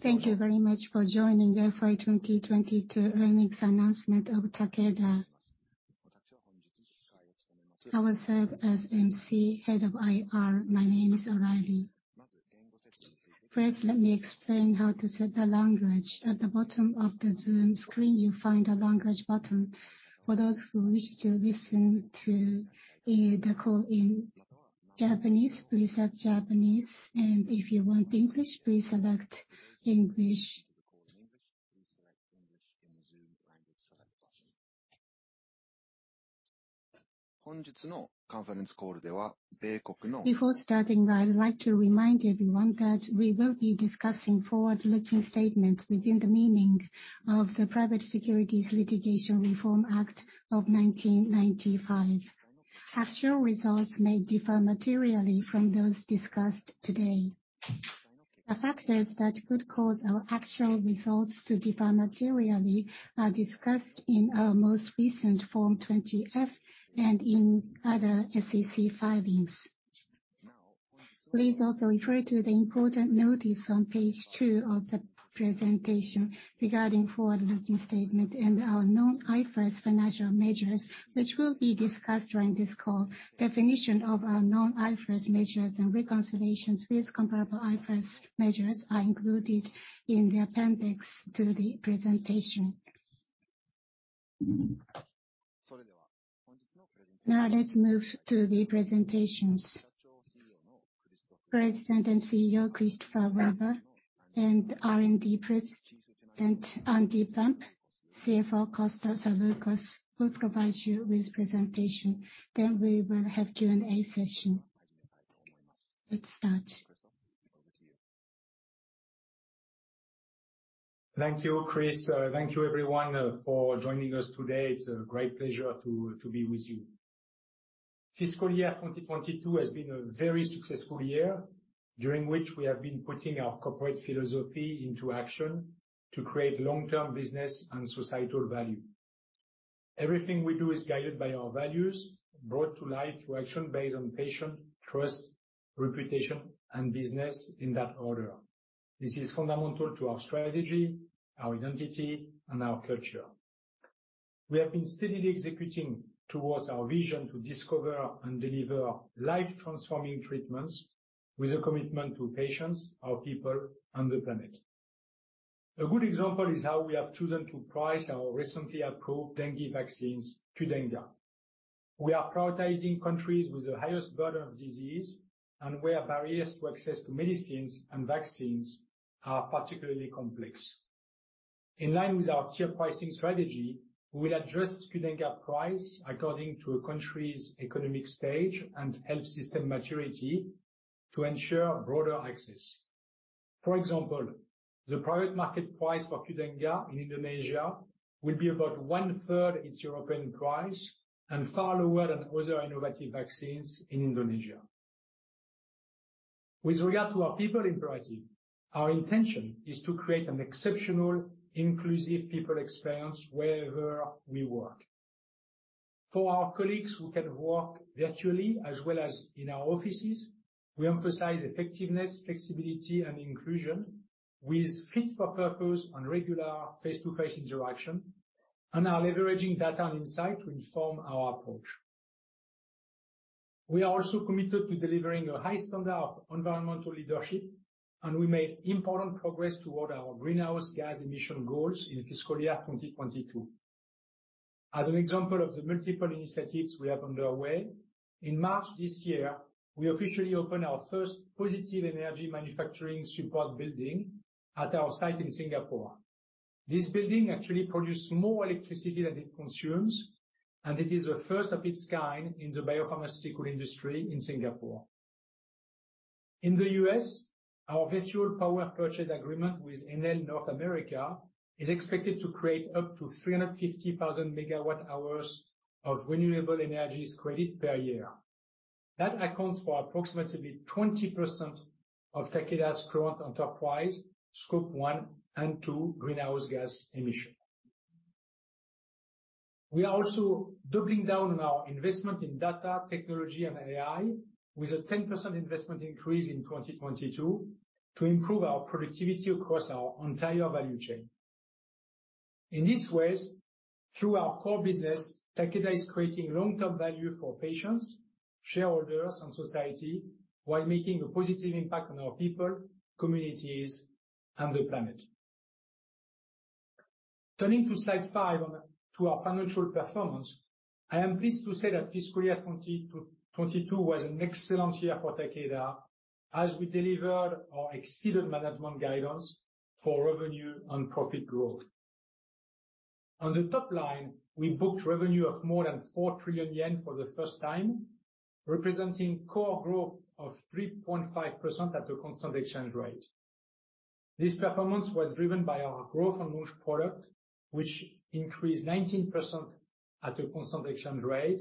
Thank you very much for joining the FY 2022 earnings announcement of Takeda. I will serve as MC, Head of IR. My name is Aravi. First, let me explain how to set the language. At the bottom of the Zoom screen, you find a Language button. For those who wish to listen to the call in Japanese, please select Japanese. If you want English, please select English. Before starting, I would like to remind everyone that we will be discussing forward-looking statements within the meaning of the Private Securities Litigation Reform Act of 1995. Actual results may differ materially from those discussed today. The factors that could cause our actual results to differ materially are discussed in our most recent Form 20-F and in other SEC filings. Please also refer to the important notice on page two of the presentation regarding forward-looking statement and our non-IFRS financial measures, which will be discussed during this call. Definition of our non-IFRS measures and reconciliations with comparable IFRS measures are included in the appendix to the presentation. Now let's move to the presentations. President and CEO, Christophe Weber, and R&D President Andy Pomp, CFO Kostas Savvoukos will provide you with presentation. We will have Q&A session. Let's start. Thank you, Chris. Thank you everyone for joining us today. It's a great pleasure to be with you. Fiscal year 2022 has been a very successful year during which we have been putting our corporate philosophy into action to create long-term business and societal value. Everything we do is guided by our values, brought to life through action based on patient, trust, reputation, and business in that order. This is fundamental to our strategy, our identity, and our culture. We have been steadily executing towards our vision to discover and deliver life-transforming treatments with a commitment to patients, our people, and the planet. A good example is how we have chosen to price our recently approved dengue vaccines, QDENGA. We are prioritizing countries with the highest burden of disease and where barriers to access to medicines and vaccines are particularly complex. In line with our tier pricing strategy, we will adjust QDENGA price according to a country's economic stage and health system maturity to ensure broader access. For example, the private market price for QDENGA in Indonesia will be about one-third its European price and far lower than other innovative vaccines in Indonesia. With regard to our people imperative, our intention is to create an exceptional, inclusive people experience wherever we work. For our colleagues who can work virtually as well as in our offices, we emphasize effectiveness, flexibility, and inclusion with fit-for-purpose and regular face-to-face interaction, and are leveraging data insight to inform our approach. We are also committed to delivering a high standard of environmental leadership, and we made important progress toward our greenhouse gas emission goals in fiscal year 2022. As an example of the multiple initiatives we have underway, in March this year, we officially opened our first positive energy manufacturing support building at our site in Singapore. This building actually produces more electricity than it consumes, and it is the first of its kind in the biopharmaceutical industry in Singapore. In the U.S., our virtual power purchase agreement with Enel North America is expected to create up to 350,000 megawatt-hours of renewable energies credit per year. That accounts for approximately 20% of Takeda's current enterprise scope one and two greenhouse gas emission. We are also doubling down on our investment in data technology and AI with a 10% investment increase in 2022 to improve our productivity across our entire value chain. In these ways, through our core business, Takeda is creating long-term value for patients, shareholders, and society while making a positive impact on our people, communities, and the planet. Turning to slide five to our financial performance, I am pleased to say that fiscal year 2022 was an excellent year for Takeda as we delivered or exceeded management guidance for revenue and profit growth. On the top line, we booked revenue of more than 4 trillion yen for the first time, representing core growth of 3.5% at a constant exchange rate. This performance was driven by our growth and launch product, which increased 19% at a constant exchange rate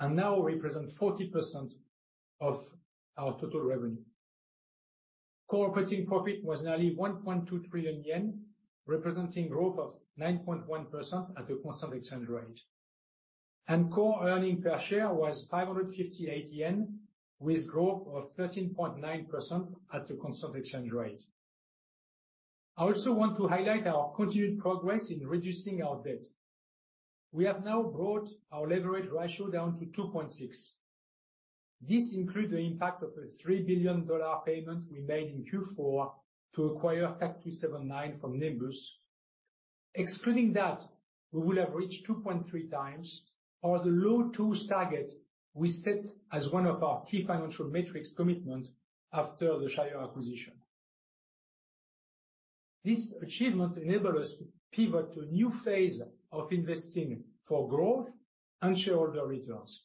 and now represent 40% of our total revenue. Core operating profit was nearly 1.2 trillion yen, representing growth of 9.1% at a constant exchange rate. Core earning per share was 558 yen, with growth of 13.9% at the constant exchange rate. I also want to highlight our continued progress in reducing our debt. We have now brought our leverage ratio down to 2.6. This includes the impact of a $3 billion payment we made in Q4 to acquire TAK-279 from Nimbus. Excluding that, we will have reached 2.3x or the low 2s target we set as one of our key financial metrics commitment after the Shire acquisition. This achievement enable us to pivot to a new phase of investing for growth and shareholder returns.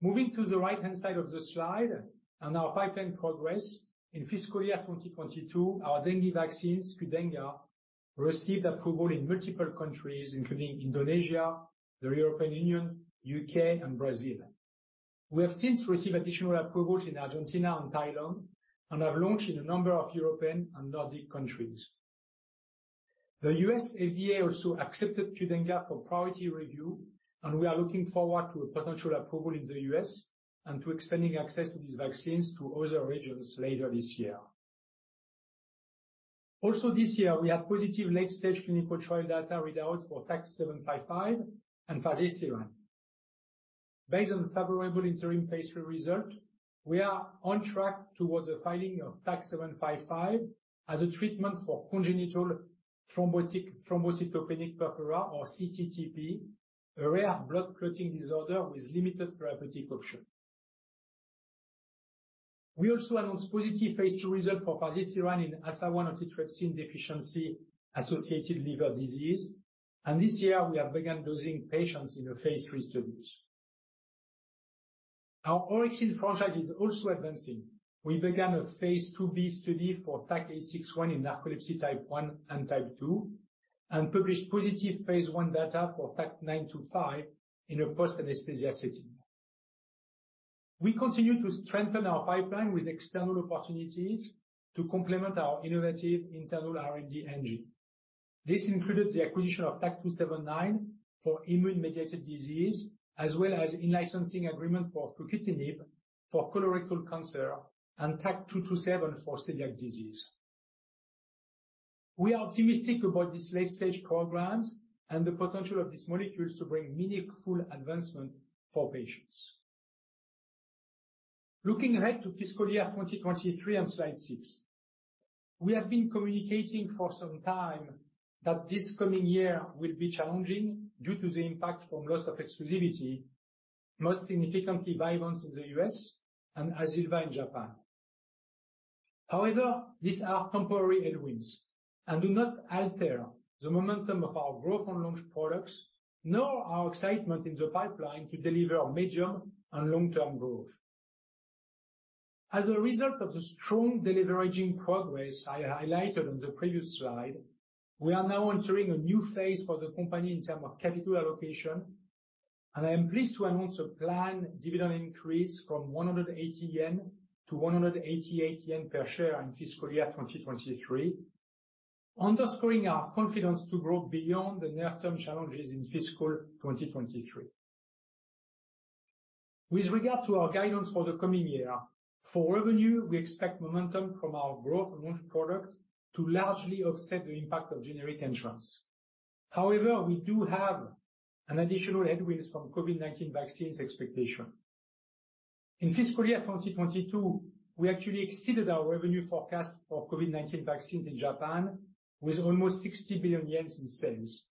Moving to the right-hand side of the slide and our pipeline progress. In fiscal year 2022, our dengue vaccine, QDENGA, received approval in multiple countries, including Indonesia, the European Union, U.K., and Brazil. We have since received additional approvals in Argentina and Thailand and have launched in a number of European and Nordic countries. The U.S. FDA also accepted QDENGA for priority review, we are looking forward to a potential approval in the U.S. and to expanding access to these vaccines to other regions later this year. Also this year, we had positive late-stage clinical trial data readouts for TAK-755 and Fazirsiran. Based on favorable interim phase III result, we are on track towards the filing of TAK-755 as a treatment for congenital thrombotic thrombocytopenic purpura, or TTP, a rare blood clotting disorder with limited therapeutic option. We also announced positive phase II result for Fazirsiran in alpha-1 antitrypsin deficiency associated liver disease. This year, we have begun dosing patients in the phase III studies. Our Orexin franchise is also advancing. We began a phase IIB study for TAK-861 in narcolepsy type 1 and type 2, and published positive phase I data for TAK-925 in a post-anesthesia setting. We continue to strengthen our pipeline with external opportunities to complement our innovative internal R&D engine. This included the acquisition of TAK-279 for immune-mediated disease, as well as in-licensing agreement for fruquintinib for colorectal cancer and TAK-227 for celiac disease. We are optimistic about these late-stage programs and the potential of these molecules to bring meaningful advancement for patients. Looking ahead to fiscal year 2023 on slide 6. We have been communicating for some time that this coming year will be challenging due to the impact from loss of exclusivity, most significantly Vyvanse in the U.S. and AZILVA in Japan. These are temporary headwinds and do not alter the momentum of our growth on launched products, nor our excitement in the pipeline to deliver medium- and long-term growth. As a result of the strong deleveraging progress I highlighted on the previous slide, we are now entering a new phase for the company in terms of capital allocation. I am pleased to announce a planned dividend increase from 180 yen to 188 yen per share in fiscal year 2023, underscoring our confidence to grow beyond the near-term challenges in fiscal 2023. With regard to our guidance for the coming year, for revenue, we expect momentum from our growth on launched product to largely offset the impact of generic entrants. We do have an additional headwinds from COVID-19 vaccines expectation. In fiscal year 2022, we actually exceeded our revenue forecast for COVID-19 vaccines in Japan with almost 60 billion yen in sales.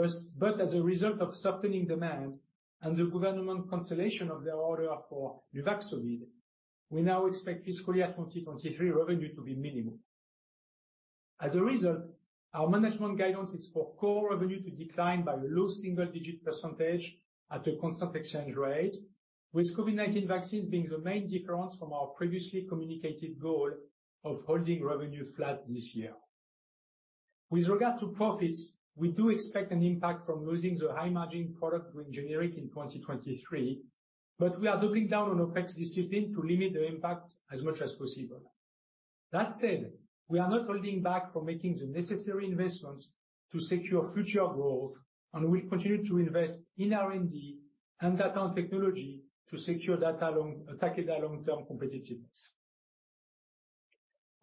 As a result of softening demand and the government cancellation of their order for Nuvaxovid, we now expect fiscal year 2023 revenue to be minimal. As a result, our management guidance is for core revenue to decline by low single-digit percentage at a constant exchange rate, with COVID-19 vaccines being the main difference from our previously communicated goal of holding revenue flat this year. With regard to profits, we do expect an impact from losing the high-margin product going generic in 2023, but we are doubling down on our cost discipline to limit the impact as much as possible. That said, we are not holding back from making the necessary investments to secure future growth, and we continue to invest in R&D and data and technology to secure Takeda long-term competitiveness.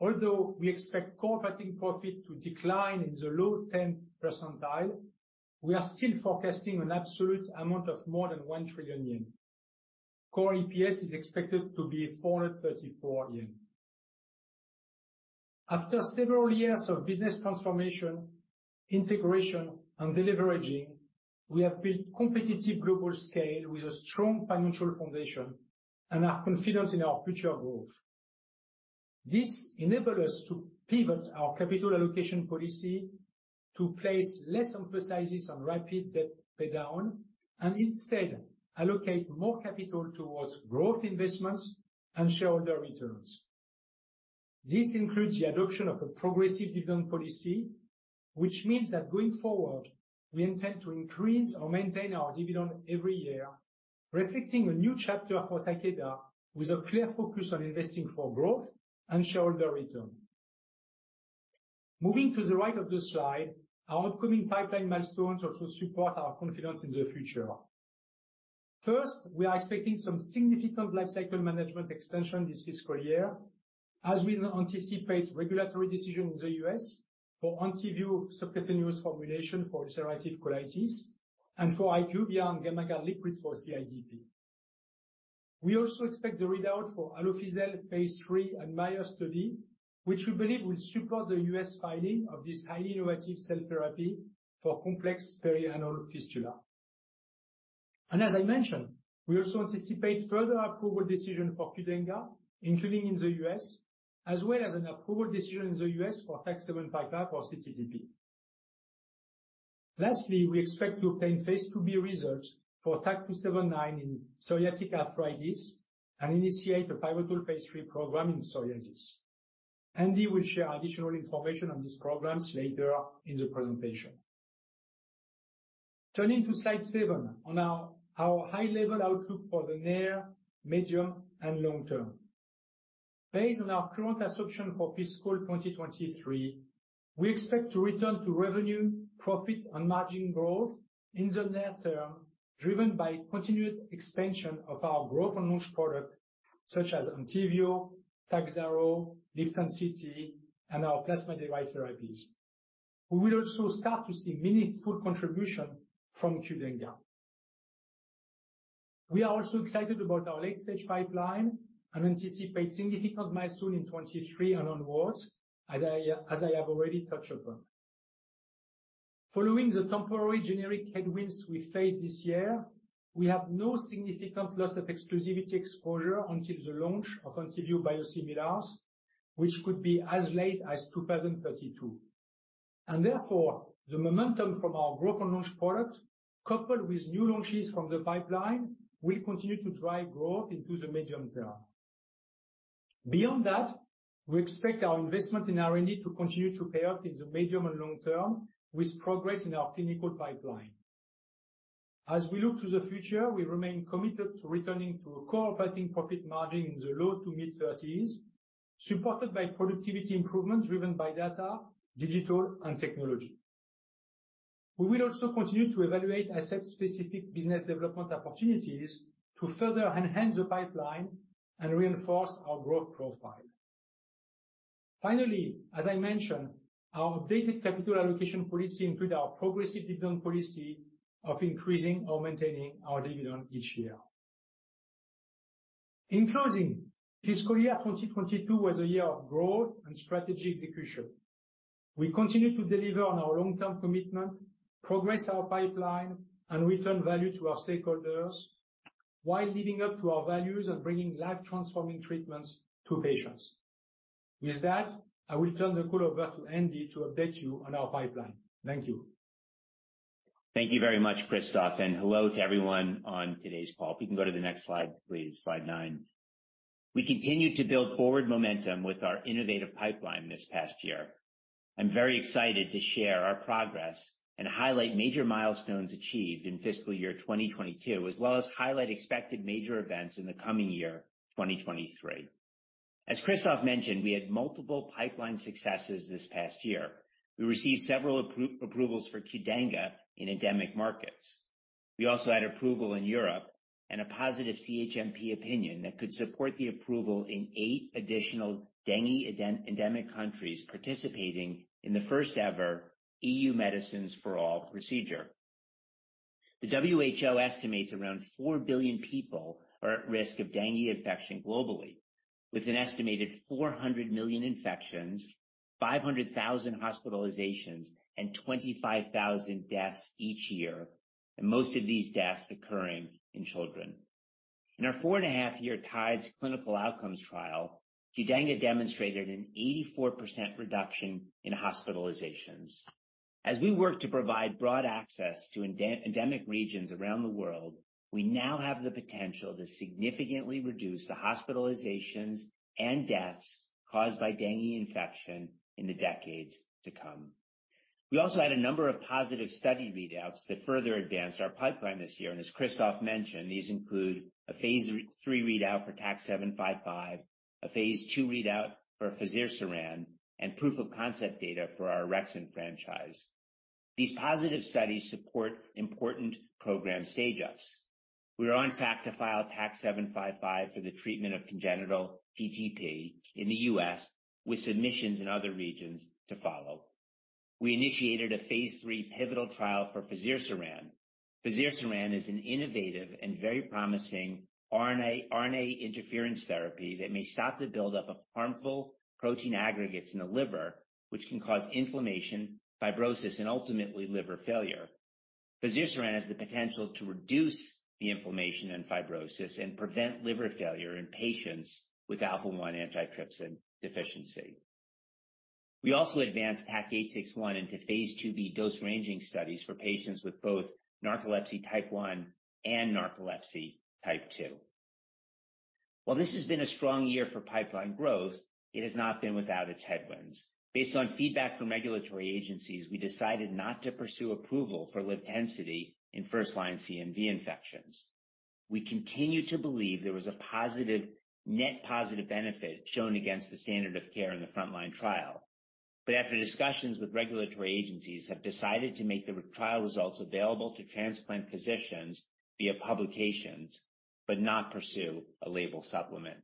Although we expect core operating profit to decline in the low 10 percentile, we are still forecasting an absolute amount of more than 1 trillion yen. Core EPS is expected to be 434 yen. After several years of business transformation, integration, and deleveraging, we have built competitive global scale with a strong financial foundation and are confident in our future growth. This enable us to pivot our capital allocation policy to place less emphasizes on rapid debt paydown and instead allocate more capital towards growth investments and shareholder returns. This includes the adoption of a progressive dividend policy, which means that going forward, we intend to increase or maintain our dividend every year, reflecting a new chapter for Takeda with a clear focus on investing for growth and shareholder return. Moving to the right of the slide, our upcoming pipeline milestones also support our confidence in the future. First, we are expecting some significant life cycle management extension this fiscal year as we anticipate regulatory decision in the US for ENTYVIO subcutaneous formulation for ulcerative colitis and for HYQVIA and GAMMAGARD LIQUID for CIDP. We also expect the readout for Alofisel phase III and ADMIRE-CD II study, which we believe will support the US filing of this highly innovative cell therapy for complex perianal fistula. As I mentioned, we also anticipate further approval decision for QDENGA, including in the U.S., as well as an approval decision in the U.S. for TAK-755 for cTTP. Lastly, we expect to obtain phase IIB results for TAK-279 in psoriatic arthritis and initiate a pivotal phase III program in psoriasis. Andy will share additional information on these programs later in the presentation. Turning to slide seven on our high-level outlook for the near, medium, and long term. Based on our current assumption for fiscal 2023, we expect to return to revenue, profit, and margin growth in the near term, driven by continued expansion of our growth and launch products such as ENTYVIO, TAKHZYRO, LIVTENCITY, and our plasma-derived therapies. We will also start to see meaningful contribution from QDENGA. We are also excited about our late-stage pipeline and anticipate significant milestone in 23 and onwards, as I have already touched upon. Following the temporary generic headwinds we faced this year, we have no significant loss of exclusivity exposure until the launch of ENTYVIO biosimilars, which could be as late as 2032. Therefore, the momentum from our growth on launch product, coupled with new launches from the pipeline, will continue to drive growth into the medium term. Beyond that, we expect our investment in R&D to continue to pay off in the medium and long term with progress in our clinical pipeline. As we look to the future, we remain committed to returning to a core operating profit margin in the low to mid-30s, supported by productivity improvements driven by data, digital, and technology. We will also continue to evaluate asset-specific business development opportunities to further enhance the pipeline and reinforce our growth profile. Finally, as I mentioned, our updated capital allocation policy include our progressive dividend policy of increasing or maintaining our dividend each year. In closing, fiscal year 2022 was a year of growth and strategy execution. We continue to deliver on our long-term commitment, progress our pipeline, and return value to our stakeholders while living up to our values and bringing life-transforming treatments to patients. With that, I will turn the call over to Andy to update you on our pipeline. Thank you. Thank you very much, Christophe. Hello to everyone on today's call. If we can go to the next slide, please. Slide 9. We continued to build forward momentum with our innovative pipeline this past year. I'm very excited to share our progress and highlight major milestones achieved in fiscal year 2022, as well as highlight expected major events in the coming year, 2023. As Christophe mentioned, we had multiple pipeline successes this past year. We received several approvals for QDENGA in endemic markets. We also had approval in Europe and a positive CHMP opinion that could support the approval in 8 additional dengue endemic countries participating in the first-ever EU Medicines for All Procedure. The WHO estimates around 4 billion people are at risk of dengue infection globally, with an estimated 400 million infections, 500,000 hospitalizations, and 25,000 deaths each year, and most of these deaths occurring in children. In our 4-and-a-half-year TIDES clinical outcomes trial, QDENGA demonstrated an 84% reduction in hospitalizations. As we work to provide broad access to enda-endemic regions around the world, we now have the potential to significantly reduce the hospitalizations and deaths caused by dengue infection in the decades to come. We also had a number of positive study readouts that further advanced our pipeline this year, and as Christophe mentioned, these include a phase III readout for TAK-755, a phase II readout for Fazirsiran, and proof-of-concept data for our Orexin franchise. These positive studies support important program stage-ups. We are on track to file TAK-755 for the treatment of congenital TTP in the U.S., with submissions in other regions to follow. We initiated a phase III pivotal trial for Fazirsiran. Fazirsiran is an innovative and very promising RNA interference therapy that may stop the buildup of harmful protein aggregates in the liver, which can cause inflammation, fibrosis, and ultimately liver failure. Fazirsiran has the potential to reduce the inflammation and fibrosis and prevent liver failure in patients with alpha-1 antitrypsin deficiency. We also advanced TAK-861 into phase IIB dose-ranging studies for patients with both narcolepsy type 1one and narcolepsy type two. While this has been a strong year for pipeline growth, it has not been without its headwinds. Based on feedback from regulatory agencies, we decided not to pursue approval for LIVTENCITY in first-line CMV infections. We continue to believe there was a net positive benefit shown against the standard of care in the frontline trial. After discussions with regulatory agencies, have decided to make the trial results available to transplant physicians via publications, but not pursue a label supplement.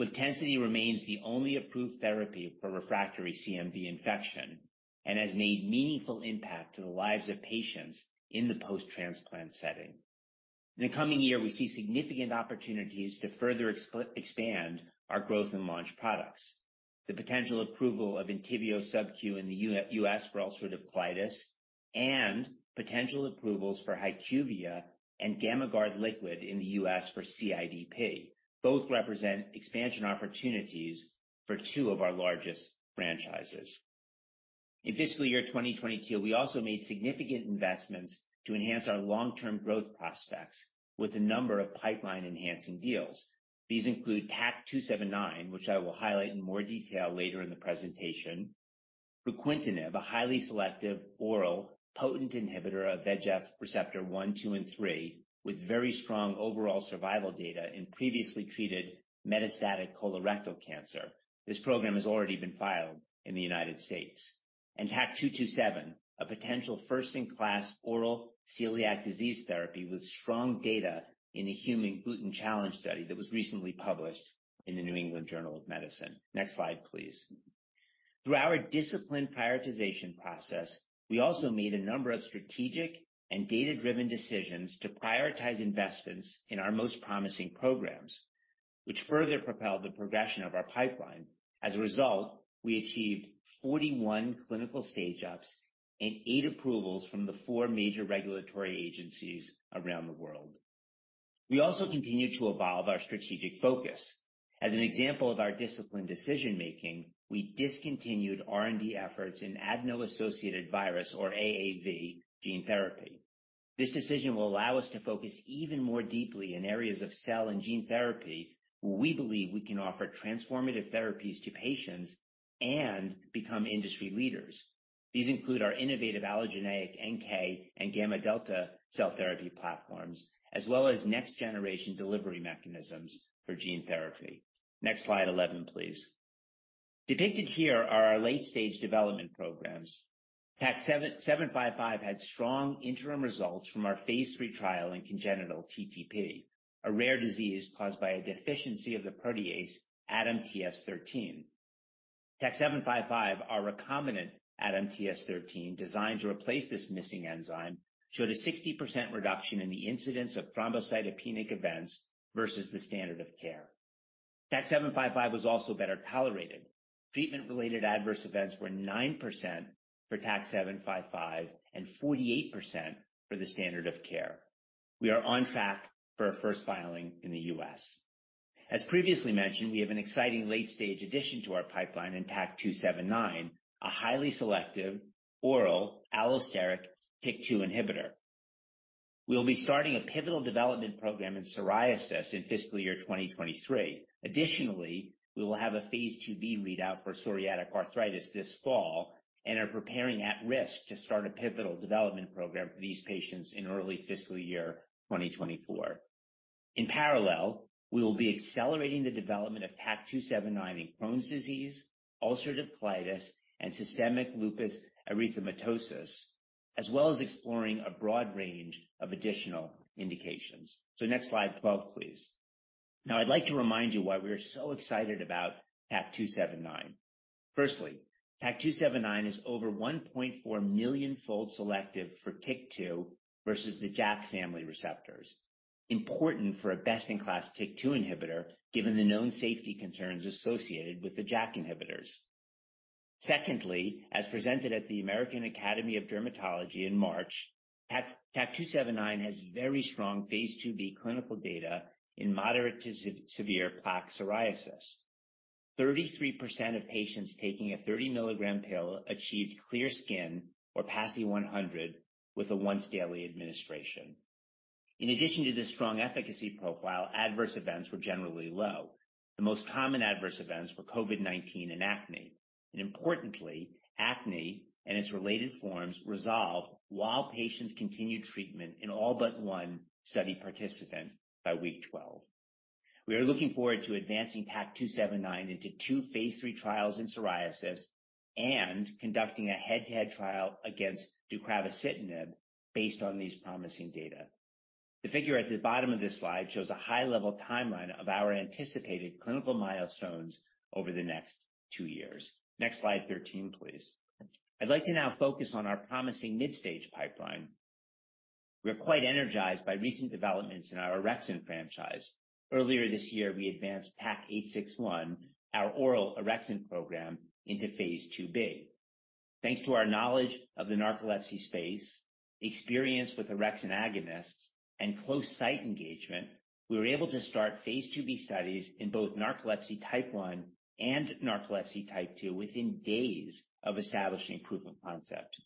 LIVTENCITY remains the only approved therapy for refractory CMV infection and has made meaningful impact to the lives of patients in the post-transplant setting. In the coming year, we see significant opportunities to further expand our growth in launch products. The potential approval of ENTYVIO subQ in the U.S. for ulcerative colitis and potential approvals for HYQVIA and GAMMAGARD LIQUID in the U.S. for CIDP. Both represent expansion opportunities for two of our largest franchises. In fiscal year 2022, we also made significant investments to enhance our long-term growth prospects with a number of pipeline-enhancing deals. These include TAK-279, which I will highlight in more detail later in the presentation. fruquintinib, a highly selective oral potent inhibitor of VEGF receptor one, two, and three, with very strong overall survival data in previously treated metastatic colorectal cancer. This program has already been filed in the United States. TAK-227, a potential first-in-class oral celiac disease therapy with strong data in a human gluten challenge study that was recently published in The New England Journal of Medicine. Next slide, please. Through our disciplined prioritization process, we also made a number of strategic and data-driven decisions to prioritize investments in our most promising programs, which further propelled the progression of our pipeline. We achieved 41 clinical stage ups and 8 approvals from the 4 major regulatory agencies around the world. We also continued to evolve our strategic focus. As an example of our disciplined decision-making, we discontinued R&D efforts in adeno-associated virus, or AAV, gene therapy. This decision will allow us to focus even more deeply in areas of cell and gene therapy where we believe we can offer transformative therapies to patients and become industry leaders. These include our innovative allogeneic NK and gamma delta cell therapy platforms, as well as next-generation delivery mechanisms for gene therapy. Slide 11, please. Depicted here are our late-stage development programs. TAK-755 had strong interim results from our phase III trial in congenital TTP, a rare disease caused by a deficiency of the protease ADAMTS13. TAK-755, our recombinant ADAMTS13 designed to replace this missing enzyme, showed a 60% reduction in the incidence of thrombocytopenic events versus the standard of care. TAK-755 was also better tolerated. Treatment-related adverse events were 9% for TAK-755 and 48% for the standard of care. We are on track for a first filing in the U.S. As previously mentioned, we have an exciting late-stage addition to our pipeline in TAK-279, a highly selective oral allosteric TYK2 inhibitor. We'll be starting a pivotal development program in psoriasis in fiscal year 2023. Additionally, we will have a phase IIb readout for psoriatic arthritis this fall and are preparing at-risk to start a pivotal development program for these patients in early fiscal year 2024. In parallel, we will be accelerating the development of TAK-279 in Crohn's disease, ulcerative colitis, and systemic lupus erythematosus, as well as exploring a broad range of additional indications. Next slide 12, please. Now I'd like to remind you why we are so excited about TAK-279. Firstly, TAK-279 is over 1.4 million fold selective for TYK2 versus the JAK family receptors. Important for a best-in-class TYK2 inhibitor, given the known safety concerns associated with the JAK inhibitors. Secondly, as presented at the American Academy of Dermatology in March, TAK-279 has very strong phase IIb clinical data in moderate to severe plaque psoriasis. 33% of patients taking a 30-milligram pill achieved clear skin or PASI 100 with a once-daily administration. In addition to this strong efficacy profile, adverse events were generally low. The most common adverse events were COVID-19 and acne. Importantly, acne and its related forms resolved while patients continued treatment in all but one study participant by week 12. We are looking forward to advancing TAK-279 into 2 phase III trials in psoriasis and conducting a head-to-head trial against deucravacitinib based on these promising data. The figure at the bottom of this slide shows a high-level timeline of our anticipated clinical milestones over the next 2 years. Next slide 13, please. I'd like to now focus on our promising mid-stage pipeline. We are quite energized by recent developments in our orexin franchise. Earlier this year, we advanced TAK-861, our oral orexin program, into phase IIB. Thanks to our knowledge of the narcolepsy space, experience with orexin agonists, and close site engagement, we were able to start phase IIB studies in both narcolepsy type 1 and narcolepsy type two within days of establishing proof of concept.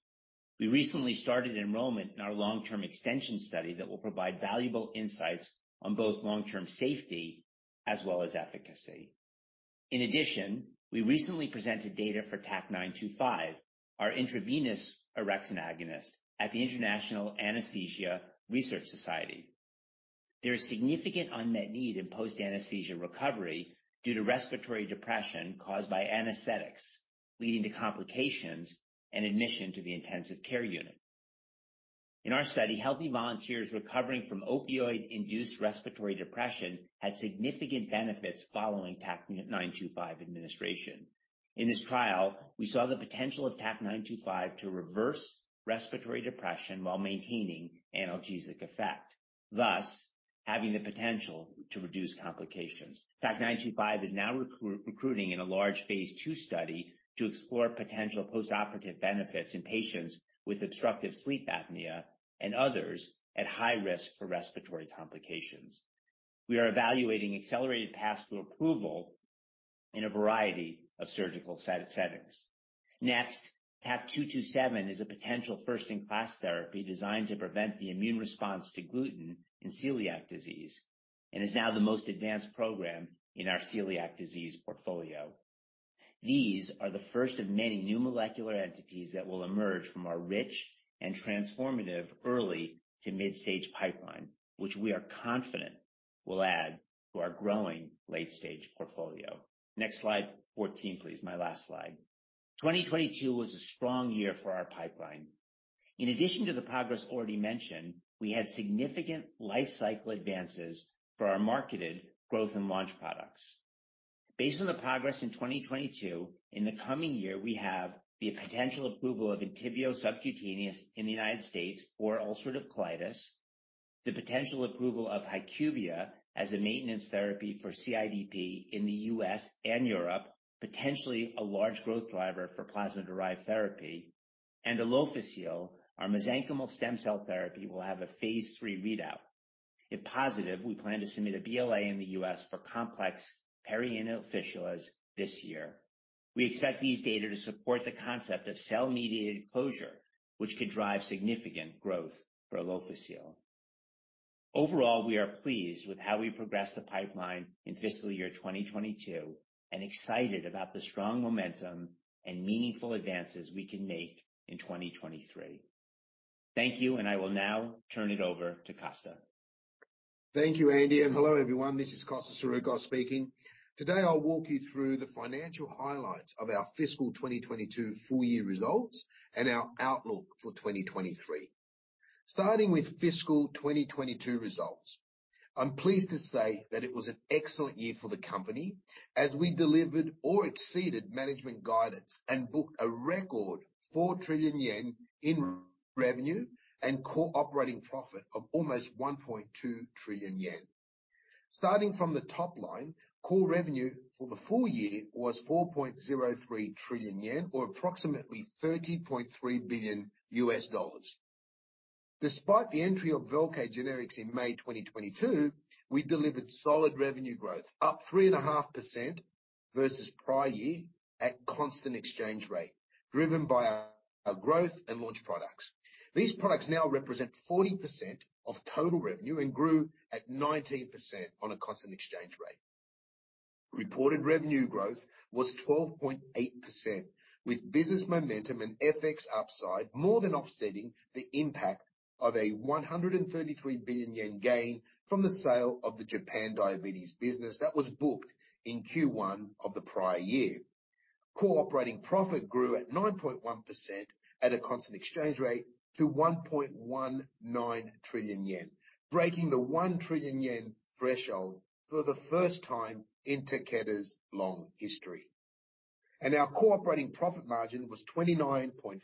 We recently started enrollment in our long-term extension study that will provide valuable insights on both long-term safety as well as efficacy. We recently presented data for TAK-925, our intravenous orexin agonist at the International Anesthesia Research Society. There is significant unmet need in post-anesthesia recovery due to respiratory depression caused by anesthetics, leading to complications and admission to the intensive care unit. In our study, healthy volunteers recovering from opioid-induced respiratory depression had significant benefits following TAK-925 administration. In this trial, we saw the potential of TAK-925 to reverse respiratory depression while maintaining analgesic effect, thus having the potential to reduce complications. TAK-925 is now recruiting in a large phase II study to explore potential postoperative benefits in patients with obstructive sleep apnea and others at high risk for respiratory complications. We are evaluating accelerated paths to approval in a variety of surgical settings. Next, TAK-227 is a potential first-in-class therapy designed to prevent the immune response to gluten in celiac disease, and is now the most advanced program in our celiac disease portfolio. These are the first of many new molecular entities that will emerge from our rich and transformative early to midstage pipeline, which we are confident will add to our growing late-stage portfolio. Next slide, 14, please. My last slide. 2022 was a strong year for our pipeline. In addition to the progress already mentioned, we had significant life cycle advances for our marketed growth and launch products. Based on the progress in 2022, in the coming year, we have the potential approval of ENTYVIO subcutaneous in the U.S. for ulcerative colitis. The potential approval of HYQVIA as a maintenance therapy for CIDP in the U.S. and Europe, potentially a large growth driver for plasma-derived therapy. Alofisel, our mesenchymal stem cell therapy, will have a phase III readout. If positive, we plan to submit a BLA in the U.S. for complex perianal fistulas this year. We expect these data to support the concept of cell-mediated closure, which could drive significant growth for Alofisel. Overall, we are pleased with how we progressed the pipeline in fiscal year 2022, and excited about the strong momentum and meaningful advances we can make in 2023. Thank you, and I will now turn it over to Costa. Thank you, Andy. Hello, everyone. This is Costa Saroukos speaking. Today, I'll walk you through the financial highlights of our fiscal 2022 full year results and our outlook for 2023. Starting with fiscal 2022 results. I'm pleased to say that it was an excellent year for the company as we delivered or exceeded management guidance and booked a record 4 trillion yen in revenue and core operating profit of almost 1.2 trillion yen. Starting from the top line, core revenue for the full year was 4.03 trillion yen, or approximately $30.3 billion. Despite the entry of VELCADE generics in May 2022, we delivered solid revenue growth, up 3.5% versus prior year at constant exchange rate, driven by our growth and launch products. These products now represent 40% of total revenue and grew at 19% on a constant exchange rate. Reported revenue growth was 12.8%, with business momentum and FX upside more than offsetting the impact of a 133 billion yen gain from the sale of the Japan diabetes business that was booked in Q1 of the prior year. Core operating profit grew at 9.1% at a constant exchange rate to 1.19 trillion yen, breaking the 1 trillion yen threshold for the first time in Takeda's long history. Our core operating profit margin was 29.5%,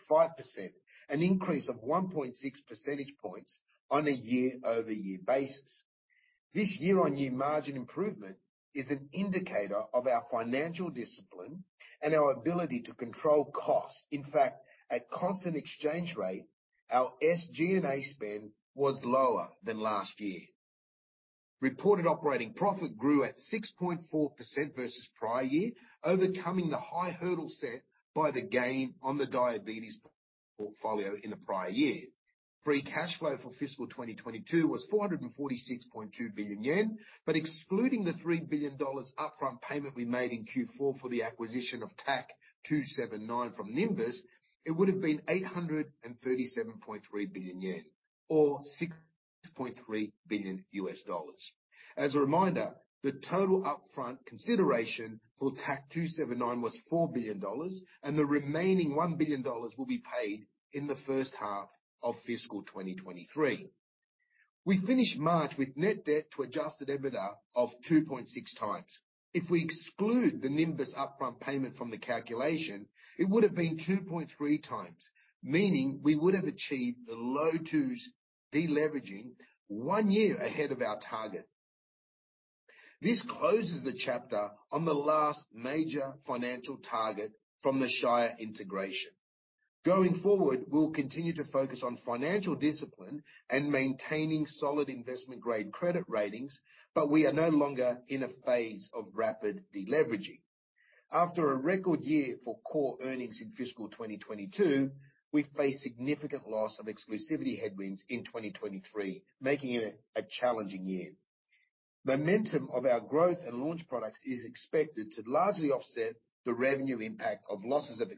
an increase of 1.6 percentage points on a year-over-year basis. This year-on-year margin improvement is an indicator of our financial discipline and our ability to control costs. In fact, at constant exchange rate, our SG&A spend was lower than last year. Reported operating profit grew at 6.4% versus prior year, overcoming the high hurdle set by the gain on the diabetes portfolio in the prior year. Free cash flow for fiscal 2022 was 446.2 billion yen, but excluding the $3 billion upfront payment we made in Q4 for the acquisition of TAK-279 from Nimbus, it would have been 837.3 billion yen or $6.3 billion. As a reminder, the total upfront consideration for TAK-279 was $4 billion, and the remaining $1 billion will be paid in the first half of fiscal 2023. We finished March with net debt to adjusted EBITDA of 2.6x. If we exclude the Nimbus upfront payment from the calculation, it would have been 2.3x, meaning we would have achieved the low 2s deleveraging one year ahead of our target. This closes the chapter on the last major financial target from the Shire integration. Going forward, we'll continue to focus on financial discipline and maintaining solid investment-grade credit ratings, but we are no longer in a phase of rapid deleveraging. After a record year for core earnings in fiscal 2022, we face significant loss of exclusivity headwinds in 2023, making it a challenging year. Momentum of our growth in launch products is expected to largely offset the revenue impact of losses of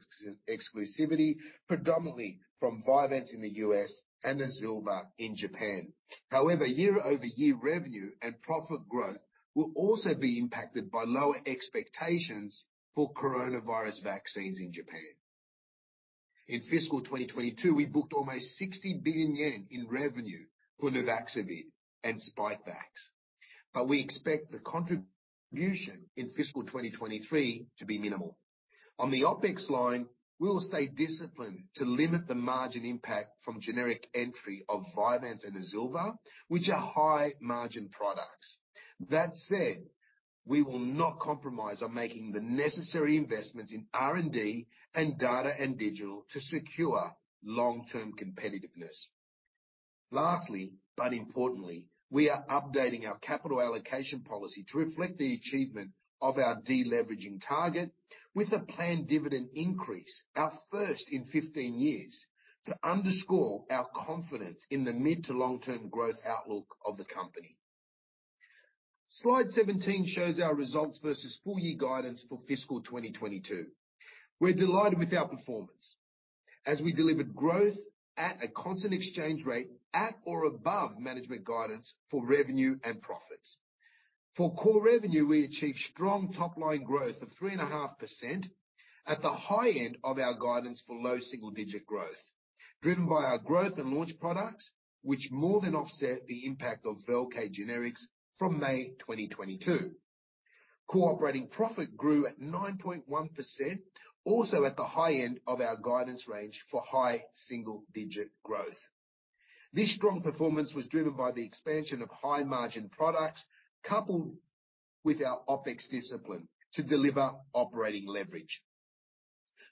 exclusivity, predominantly from Vyvanse in the U.S. and AZILVA in Japan. However, year-over-year revenue and profit growth will also be impacted by lower expectations for coronavirus vaccines in Japan. In fiscal 2022, we booked almost 60 billion yen in revenue for Nuvaxovid and Spikevax. We expect the contribution in fiscal 2023 to be minimal. On the OpEx line, we will stay disciplined to limit the margin impact from generic entry of Vyvanse and AZILVA, which are high-margin products. That said, we will not compromise on making the necessary investments in R&D and data and digital to secure long-term competitiveness. Lastly, but importantly, we are updating our capital allocation policy to reflect the achievement of our de-leveraging target with a planned dividend increase, our first in 15 years, to underscore our confidence in the mid to long-term growth outlook of the company. Slide 17 shows our results versus full year guidance for fiscal 2022. We're delighted with our performance as we delivered growth at a constant exchange rate at or above management guidance for revenue and profits. For core revenue, we achieved strong top-line growth of 3.5% at the high end of our guidance for low single-digit growth, driven by our growth and launch products, which more than offset the impact of VELCADE generics from May 2022. Core operating profit grew at 9.1%, also at the high end of our guidance range for high single-digit growth. This strong performance was driven by the expansion of high-margin products, coupled with our OpEx discipline to deliver operating leverage.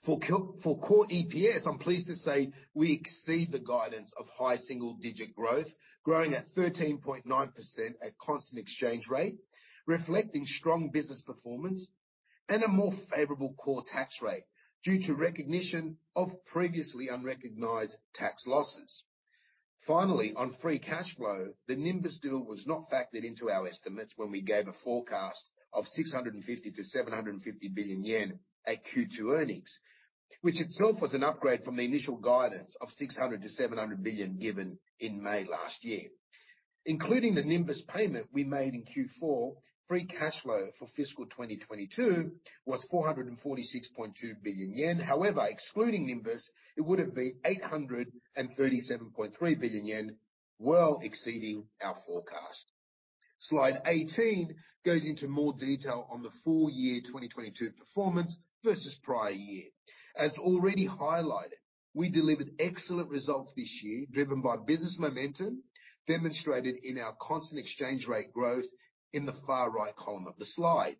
For core EPS, I'm pleased to say we exceed the guidance of high single-digit growth, growing at 13.9 at constant exchange rate, reflecting strong business performance and a more favorable core tax rate due to recognition of previously unrecognized tax losses. Finally, on free cash flow, the Nimbus deal was not factored into our estimates when we gave a forecast of 650 billion-750 billion yen at Q2 earnings, which itself was an upgrade from the initial guidance of 600 billion-700 billion given in May last year. Including the Nimbus payment we made in Q4, free cash flow for fiscal 2022 was 446.2 billion yen. However, excluding Nimbus, it would have been 837.3 billion yen, well exceeding our forecast. Slide 18 goes into more detail on the full year 2022 performance versus prior year. As already highlighted, we delivered excellent results this year, driven by business momentum demonstrated in our constant exchange rate growth in the far right column of the slide.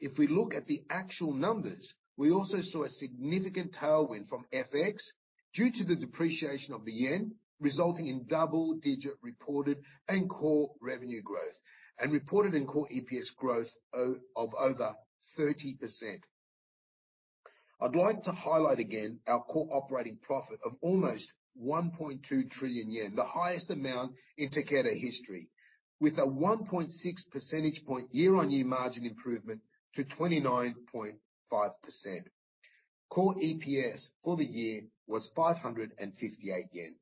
If we look at the actual numbers, we also saw a significant tailwind from FX due to the depreciation of the JPY, resulting in double-digit reported and core revenue growth and reported in core EPS growth of over 30%. I'd like to highlight again our core operating profit of almost 1.2 trillion yen, the highest amount in Takeda history, with a 1.6 percentage point year-on-year margin improvement to 29.5%. Core EPS for the year was 558 yen.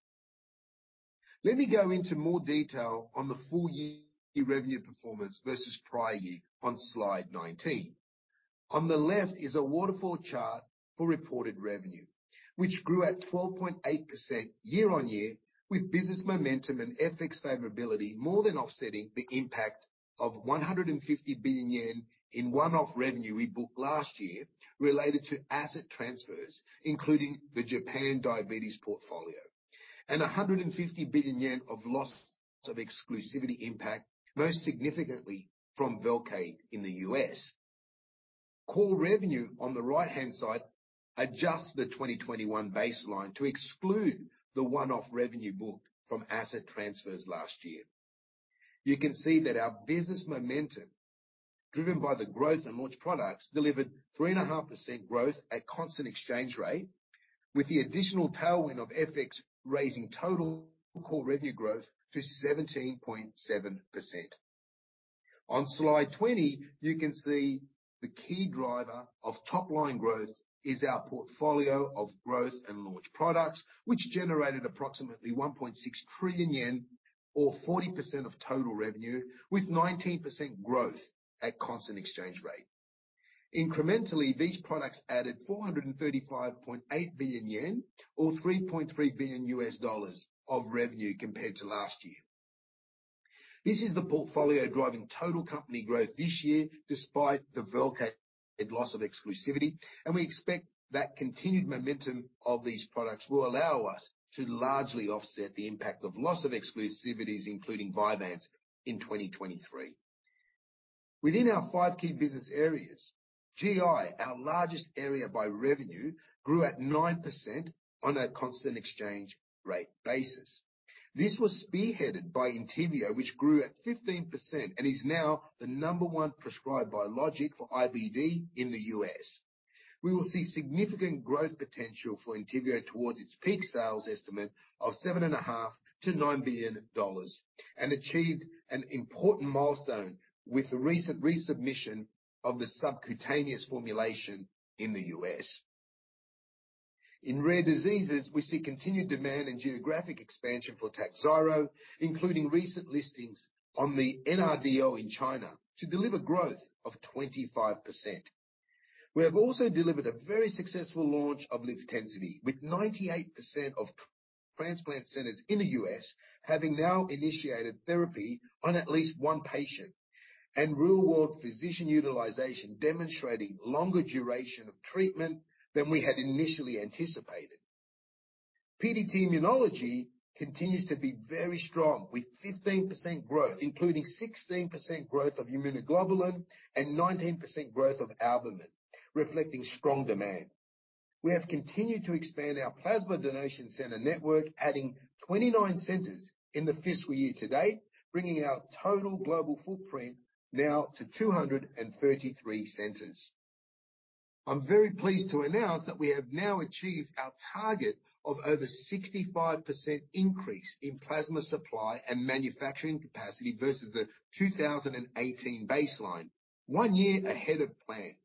Let me go into more detail on the full year revenue performance versus prior year on slide 19. On the left is a waterfall chart for reported revenue, which grew at 12.8% year-on-year, with business momentum and FX favorability more than offsetting the impact of 150 billion yen in one-off revenue we booked last year related to asset transfers, including the Japan diabetes portfolio, and 150 billion yen of loss of exclusivity impact, most significantly from VELCADE in the U.S. Core revenue on the right-hand side adjusts the 2021 baseline to exclude the one-off revenue booked from asset transfers last year. You can see that our business momentum, driven by the growth in launched products, delivered 3.5% growth at constant exchange rate, with the additional tailwind of FX raising total core revenue growth to 17.7%. On slide 20, you can see the key driver of top-line growth is our portfolio of growth and launch products, which generated approximately 1.6 trillion yen or 40% of total revenue, with 19% growth at constant exchange rate. Incrementally, these products added 435.8 billion yen or $3.3 billion of revenue compared to last year. This is the portfolio driving total company growth this year despite the VELCADE loss of exclusivity, and we expect that continued momentum of these products will allow us to largely offset the impact of loss of exclusivities, including Vyvanse in 2023. Within our five key business areas, GI, our largest area by revenue, grew at 9% on a constant exchange rate basis. This was spearheaded by ENTYVIO, which grew at 15% and is now the number one prescribed biologic for IBD in the U.S. We will see significant growth potential for ENTYVIO towards its peak sales estimate of seven and a half to nine billion dollars, achieved an important milestone with the recent resubmission of the subcutaneous formulation in the U.S. In rare diseases, we see continued demand and geographic expansion for TAKHZYRO, including recent listings on the NRDL in China to deliver growth of 25%. We have also delivered a very successful launch of LIVTENCITY, with 98% of transplant centers in the U.S. having now initiated therapy on at least one patient. Real-world physician utilization demonstrating longer duration of treatment than we had initially anticipated. PDT Immunology continues to be very strong, with 15% growth, including 16% growth of immunoglobulin and 19% growth of albumin, reflecting strong demand. We have continued to expand our plasma donation center network, adding 29 centers in the fiscal year to date, bringing our total global footprint now to 233 centers. I'm very pleased to announce that we have now achieved our target of over 65% increase in plasma supply and manufacturing capacity versus the 2018 baseline, one year ahead of plan.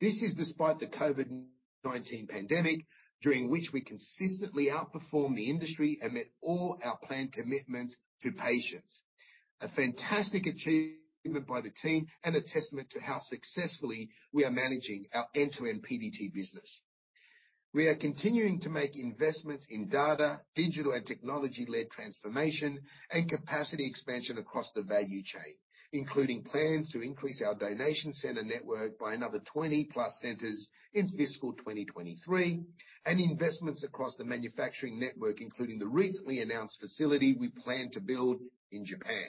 This is despite the COVID-19 pandemic, during which we consistently outperformed the industry and met all our planned commitments to patients. A fantastic achievement by the team and a testament to how successfully we are managing our end-to-end PDT business. We are continuing to make investments in data, digital and technology-led transformation, and capacity expansion across the value chain, including plans to increase our donation center network by another 20+ centers in fiscal 2023, and investments across the manufacturing network, including the recently announced facility we plan to build in Japan.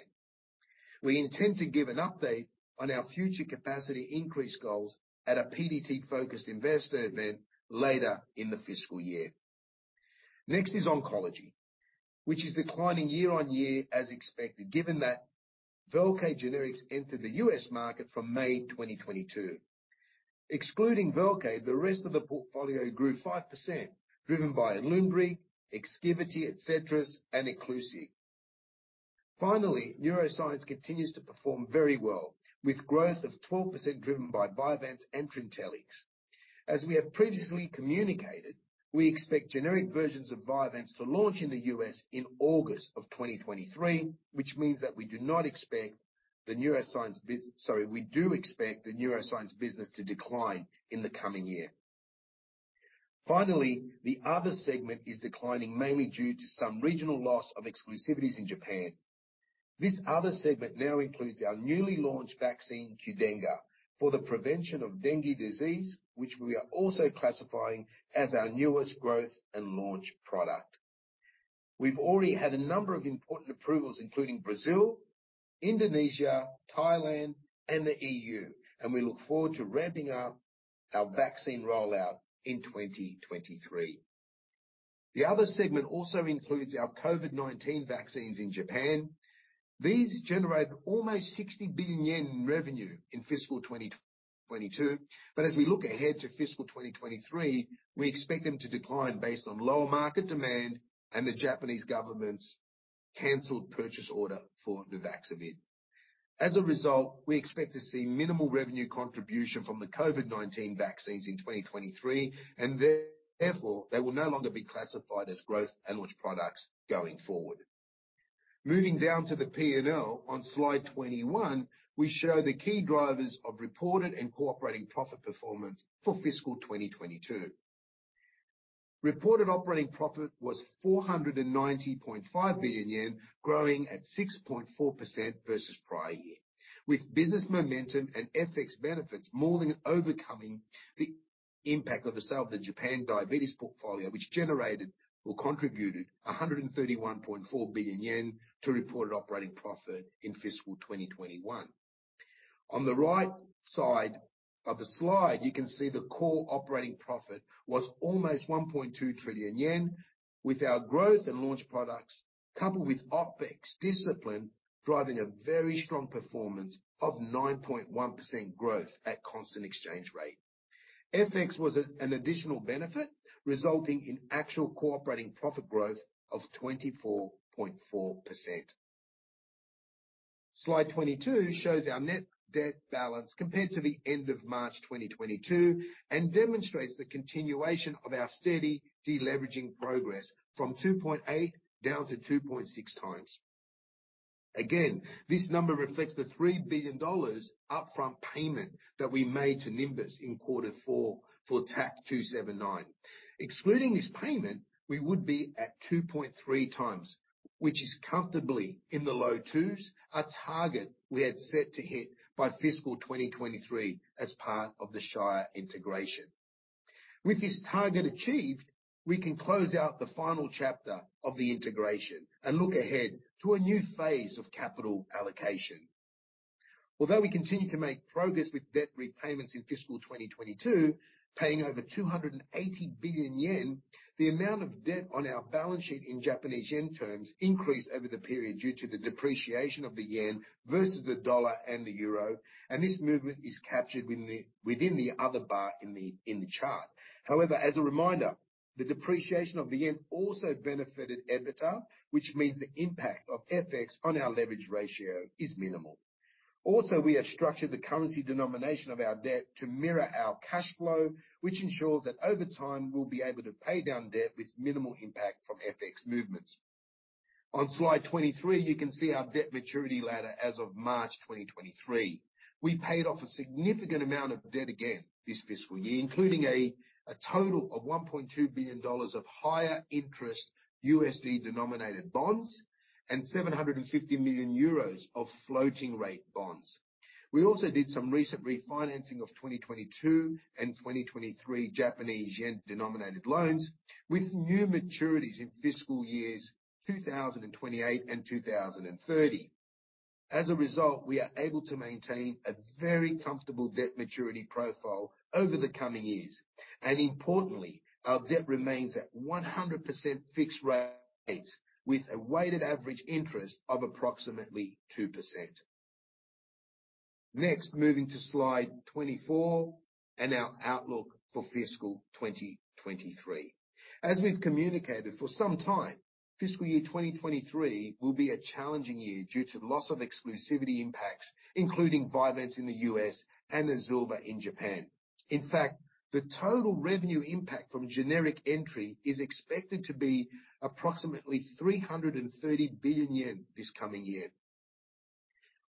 We intend to give an update on our future capacity increase goals at a PDT-focused investor event later in the fiscal year. Next is Oncology, which is declining year-on-year as expected, given that VELCADE generics entered the U.S. market from May 2022. Excluding VELCADE, the rest of the portfolio grew 5%, driven by ALUNBRIG, EXKIVITY, Etcetera, and Exclusiv. Finally, Neuroscience continues to perform very well, with growth of 12% driven by Vyvanse and Trintellix. As we have previously communicated, we expect generic versions of Vyvanse to launch in the US in August of 2023, which means that we do expect the Neuroscience business to decline in the coming year. Finally, the other segment is declining mainly due to some regional loss of exclusivities in Japan. This other segment now includes our newly launched vaccine, Qdenga, for the prevention of dengue disease, which we are also classifying as our newest growth and launch product. We've already had a number of important approvals, including Brazil, Indonesia, Thailand, and the EU, and we look forward to ramping up our vaccine rollout in 2023. The other segment also includes our COVID-19 vaccines in Japan. These generate almost 60 billion yen in revenue in fiscal 2022. As we look ahead to fiscal 2023, we expect them to decline based on lower market demand and the Japanese government's canceled purchase order for the vaccine. As a result, we expect to see minimal revenue contribution from the COVID-19 vaccines in 2023, and therefore, they will no longer be classified as growth and launch products going forward. Moving down to the P&L on slide 21, we show the key drivers of reported and cooperating profit performance for fiscal 2022. Reported operating profit was 490.5 billion yen, growing at 6.4% versus prior year. With business momentum and FX benefits more than overcoming the impact of the sale of the Japan diabetes portfolio, which generated or contributed 131.4 billion yen to reported operating profit in fiscal 2021. On the right side of the slide, you can see the core operating profit was almost 1.2 trillion yen, with our growth and launch products, coupled with OpEx discipline, driving a very strong performance of 9.1% growth at constant exchange rate. FX was an additional benefit, resulting in actual cooperating profit growth of 24.4%. Slide 22 shows our net debt balance compared to the end of March 2022 and demonstrates the continuation of our steady deleveraging progress from 2.8 down to 2.6x. This number reflects the $3 billion upfront payment that we made to Nimbus in Q4 for TAK-279. Excluding this payment, we would be at 2.3x, which is comfortably in the low 2s, a target we had set to hit by fiscal 2023 as part of the Shire integration. With this target achieved, we can close out the final chapter of the integration and look ahead to a new phase of capital allocation. We continue to make progress with debt repayments in fiscal 2022, paying over 280 billion yen, the amount of debt on our balance sheet in Japanese yen terms increased over the period due to the depreciation of the yen versus the dollar and the euro, and this movement is captured within the other bar in the chart. As a reminder, the depreciation of the yen also benefited EBITDA, which means the impact of FX on our leverage ratio is minimal. We have structured the currency denomination of our debt to mirror our cash flow, which ensures that over time, we'll be able to pay down debt with minimal impact from FX movements. On slide 23, you can see our debt maturity ladder as of March 2023. We paid off a significant amount of debt again this fiscal year, including a total of $1.2 billion of higher interest USD-denominated bonds and 750 million euros of floating rate bonds. We also did some recent refinancing of 2022 and 2023 JPY-denominated loans, with new maturities in fiscal years 2028 and 2030. As a result, we are able to maintain a very comfortable debt maturity profile over the coming years. Importantly, our debt remains at 100% fixed rates, with a weighted average interest of approximately 2%. Moving to slide 24 and our outlook for fiscal 2023. We've communicated for some time, fiscal year 2023 will be a challenging year due to loss of exclusivity impacts, including Vyvanse in the U.S. and AZILVA in Japan. In fact, the total revenue impact from generic entry is expected to be approximately 330 billion yen this coming year.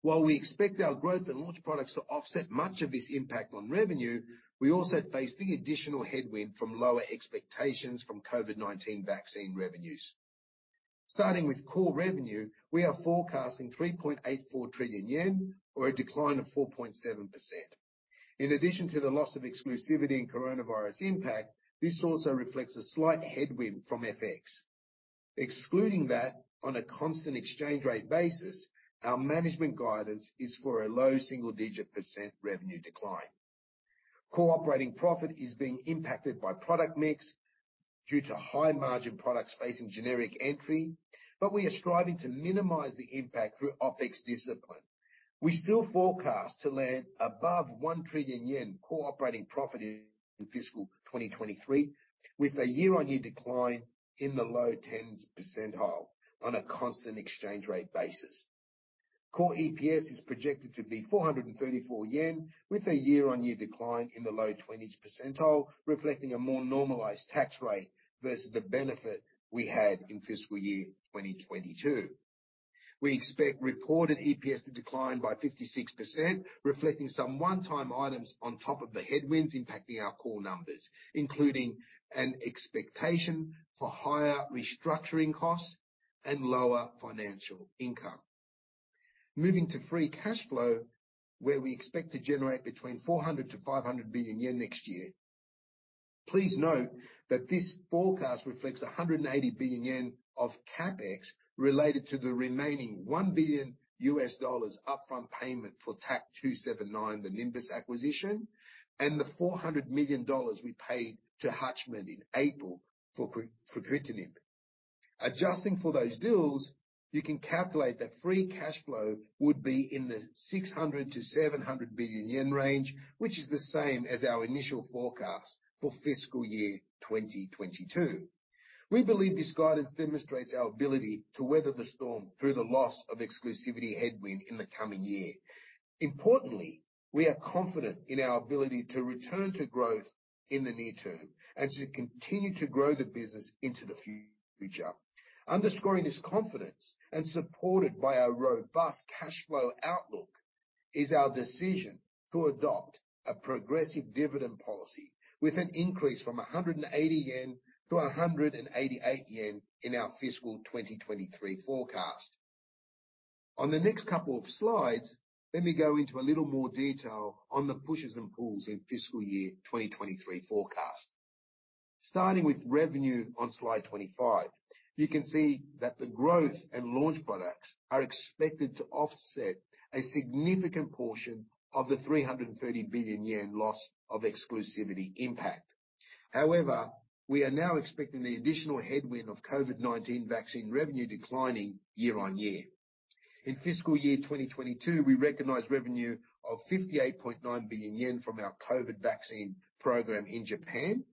We expect our growth in launch products to offset much of this impact on revenue, we also face the additional headwind from lower expectations from COVID-19 vaccine revenues. Starting with core revenue, we are forecasting 3.84 trillion yen or a decline of 4.7%. In addition to the loss of exclusivity in coronavirus impact, this also reflects a slight headwind from F.X. Excluding that on a constant exchange rate basis, our management guidance is for a low single-digit % revenue decline. Core operating profit is being impacted by product mix due to high-margin products facing generic entry, but we are striving to minimize the impact through OpEx discipline. We still forecast to land above 1 trillion yen core operating profit in fiscal 2023, with a year-on-year decline in the low 10s percentile on a constant exchange rate basis. Core EPS is projected to be 434 yen, with a year-on-year decline in the low 20s percentile, reflecting a more normalized tax rate versus the benefit we had in fiscal year 2022. We expect reported EPS to decline by 56%, reflecting some one-time items on top of the headwinds impacting our core numbers, including an expectation for higher restructuring costs and lower financial income. Free cash flow, where we expect to generate between 400 billion-500 billion yen next year. Please note that this forecast reflects 180 billion yen of CapEx related to the remaining $1 billion upfront payment for TAK-279, the Nimbus acquisition, and the $400 million we paid to HUTCHMED in April for fruquintinib. Adjusting for those deals, you can calculate that free cash flow would be in the 600 billion-700 billion yen range, which is the same as our initial forecast for fiscal year 2022. We believe this guidance demonstrates our ability to weather the storm through the loss of exclusivity headwind in the coming year. Importantly, we are confident in our ability to return to growth in the near term and to continue to grow the business into the future. Underscoring this confidence and supported by our robust cash flow outlook is our decision to adopt a progressive dividend policy with an increase from 180 yen to 188 yen in our fiscal 2023 forecast. On the next couple of slides, let me go into a little more detail on the pushes and pulls in fiscal year 2023 forecast. Starting with revenue on slide 25, you can see that the growth and launch products are expected to offset a significant portion of the 330 billion yen loss of exclusivity impact. However, we are now expecting the additional headwind of COVID-19 vaccine revenue declining year on year. In fiscal year 2022, we recognized revenue of 58.9 billion yen from our COVID vaccine program in Japan,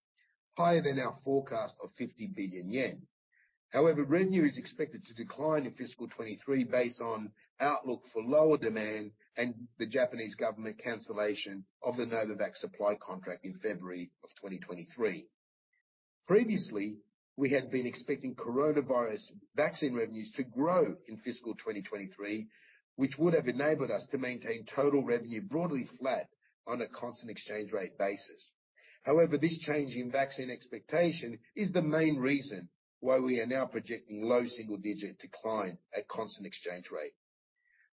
higher than our forecast of 50 billion yen. However, revenue is expected to decline in fiscal 2023 based on outlook for lower demand and the Japanese government cancellation of the Novavax supply contract in February of 2023. Previously, we had been expecting coronavirus vaccine revenues to grow in fiscal 2023, which would have enabled us to maintain total revenue broadly flat on a constant exchange rate basis. However, this change in vaccine expectation is the main reason why we are now projecting low single-digit decline at constant exchange rate.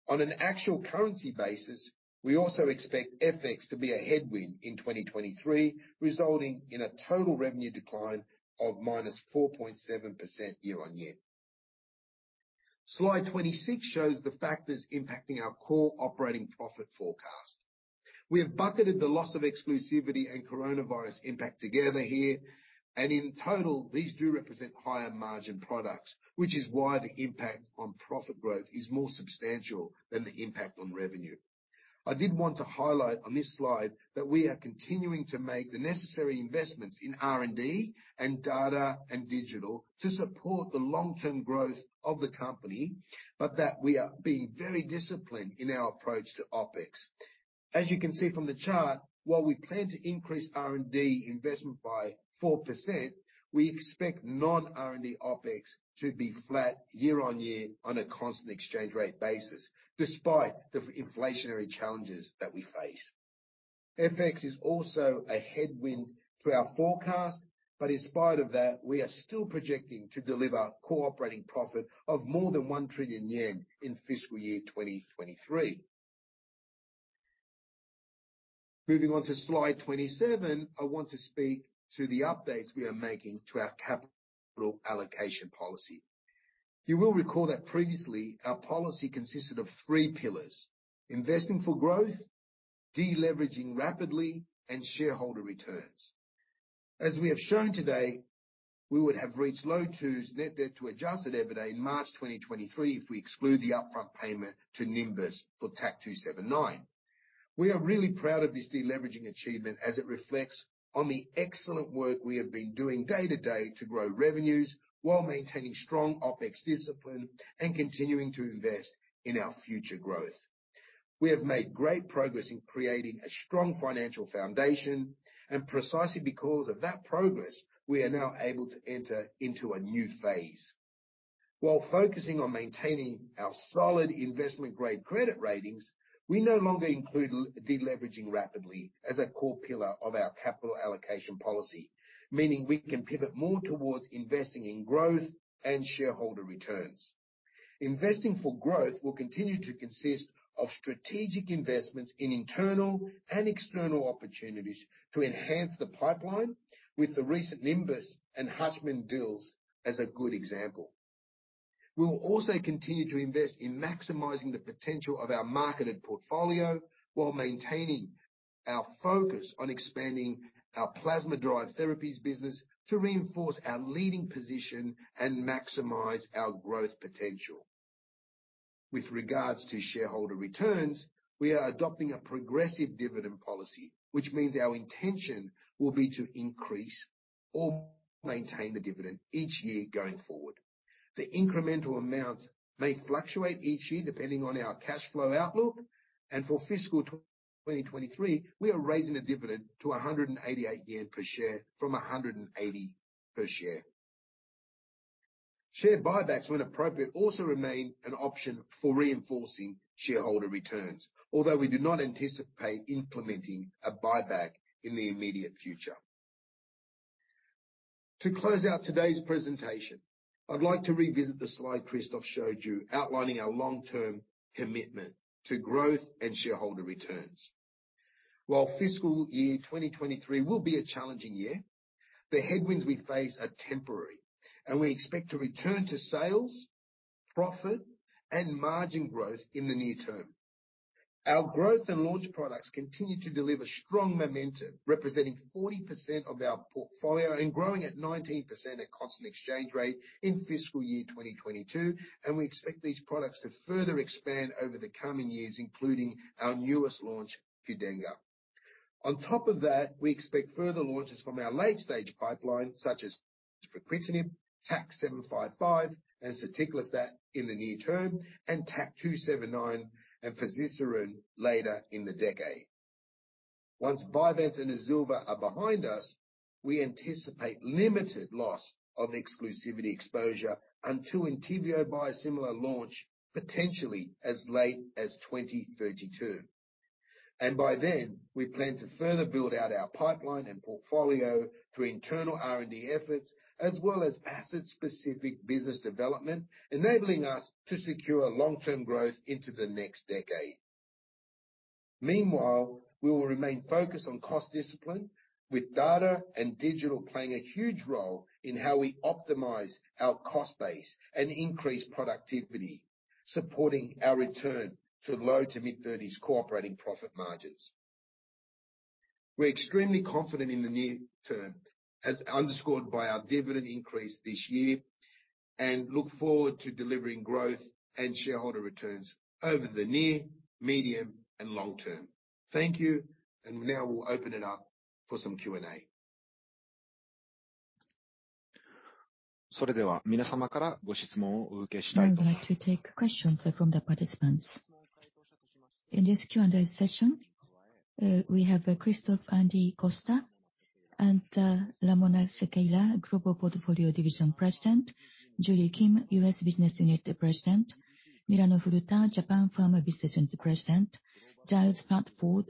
On an actual currency basis, we also expect FX to be a headwind in 2023, resulting in a total revenue decline of -4.7% year-over-year. Slide 26 shows the factors impacting our core operating profit forecast. We have bucketed the loss of exclusivity and coronavirus impact together here. In total, these do represent higher margin products, which is why the impact on profit growth is more substantial than the impact on revenue. I did want to highlight on this slide that we are continuing to make the necessary investments in R&D and data and digital to support the long-term growth of the company, but that we are being very disciplined in our approach to OpEx. As you can see from the chart, while we plan to increase R&D investment by 4%, we expect non-R&D OpEx to be flat year-on-year on a constant exchange rate basis, despite the inflationary challenges that we face. FX is also a headwind to our forecast, but in spite of that, we are still projecting to deliver cooperating profit of more than 1 trillion yen in fiscal year 2023. Moving on to slide 27. I want to speak to the updates we are making to our capital allocation policy. You will recall that previously, our policy consisted of three pillars: investing for growth, deleveraging rapidly, and shareholder returns. As we have shown today, we would have reached low twos net debt to Adjusted EBITDA in March 2023 if we exclude the upfront payment to Nimbus for TAK-279. We are really proud of this deleveraging achievement as it reflects on the excellent work we have been doing day to day to grow revenues while maintaining strong OpEx discipline and continuing to invest in our future growth. We have made great progress in creating a strong financial foundation. Precisely because of that progress, we are now able to enter into a new phase. While focusing on maintaining our solid investment-grade credit ratings, we no longer include deleveraging rapidly as a core pillar of our capital allocation policy. Meaning we can pivot more towards investing in growth and shareholder returns. Investing for growth will continue to consist of strategic investments in internal and external opportunities to enhance the pipeline with the recent Nimbus and HUTCHMED deals as a good example. We will also continue to invest in maximizing the potential of our marketed portfolio while maintaining our focus on expanding our plasma-derived therapies business to reinforce our leading position and maximize our growth potential. With regards to shareholder returns, we are adopting a progressive dividend policy, which means our intention will be to increase or maintain the dividend each year going forward. The incremental amounts may fluctuate each year depending on our cash flow outlook. For fiscal 2023, we are raising the dividend to 188 yen per share from 180 per share. Share buybacks when appropriate, also remain an option for reinforcing shareholder returns. Although we do not anticipate implementing a buyback in the immediate future. To close out today's presentation, I'd like to revisit the slide Christophe showed you, outlining our long-term commitment to growth and shareholder returns. While fiscal year 2023 will be a challenging year, the headwinds we face are temporary, we expect to return to sales, profit, and margin growth in the near term. Our growth and launch products continue to deliver strong momentum, representing 40% of our portfolio and growing at 19% at constant exchange rate in fiscal year 2022. We expect these products to further expand over the coming years, including our newest launch, QDENGA. On top of that, we expect further launches from our late-stage pipeline such as Pacritinib, TAK-755, and soticlestat in the near term, TAK-279 and Fazirsiran later in the decade. Once Vyvanse and AZILVA are behind us, we anticipate limited loss of exclusivity exposure until ENTYVIO biosimilar launch, potentially as late as 2032. By then, we plan to further build out our pipeline and portfolio through internal R&D efforts as well as asset-specific business development, enabling us to secure long-term growth into the next decade. Meanwhile, we will remain focused on cost discipline, with data and digital playing a huge role in how we optimize our cost base and increase productivity, supporting our return to low to mid-30s operating profit margins. We're extremely confident in the near term, as underscored by our dividend increase this year and look forward to delivering growth and shareholder returns over the near, medium, and long term. Thank you. Now we'll open it up for some Q&A. I'd like to take questions from the participants. In this Q&A session, we have Christophe, Andy, Costa, and Ramona Sequeira, Global Portfolio Division President, Julie Kim, U.S. Business Unit President, Milano Furuta, Japan Pharma Business Unit President, Giles Platford,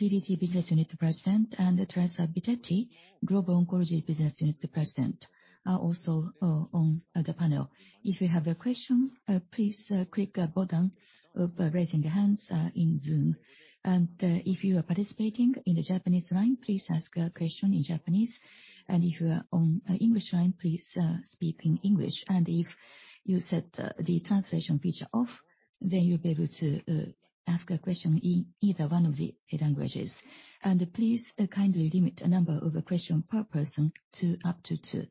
PDT Business Unit President, and Teresa Bitetti, Global Oncology Business Unit President, are also on the panel. If you have a question, please click a button of raising your hands in Zoom. If you are participating in the Japanese line, please ask your question in Japanese. If you are on English line, please speak in English. If you set the translation feature off, then you'll be able to ask a question in either one of the languages. Please kindly limit the number of the question per person to up to two.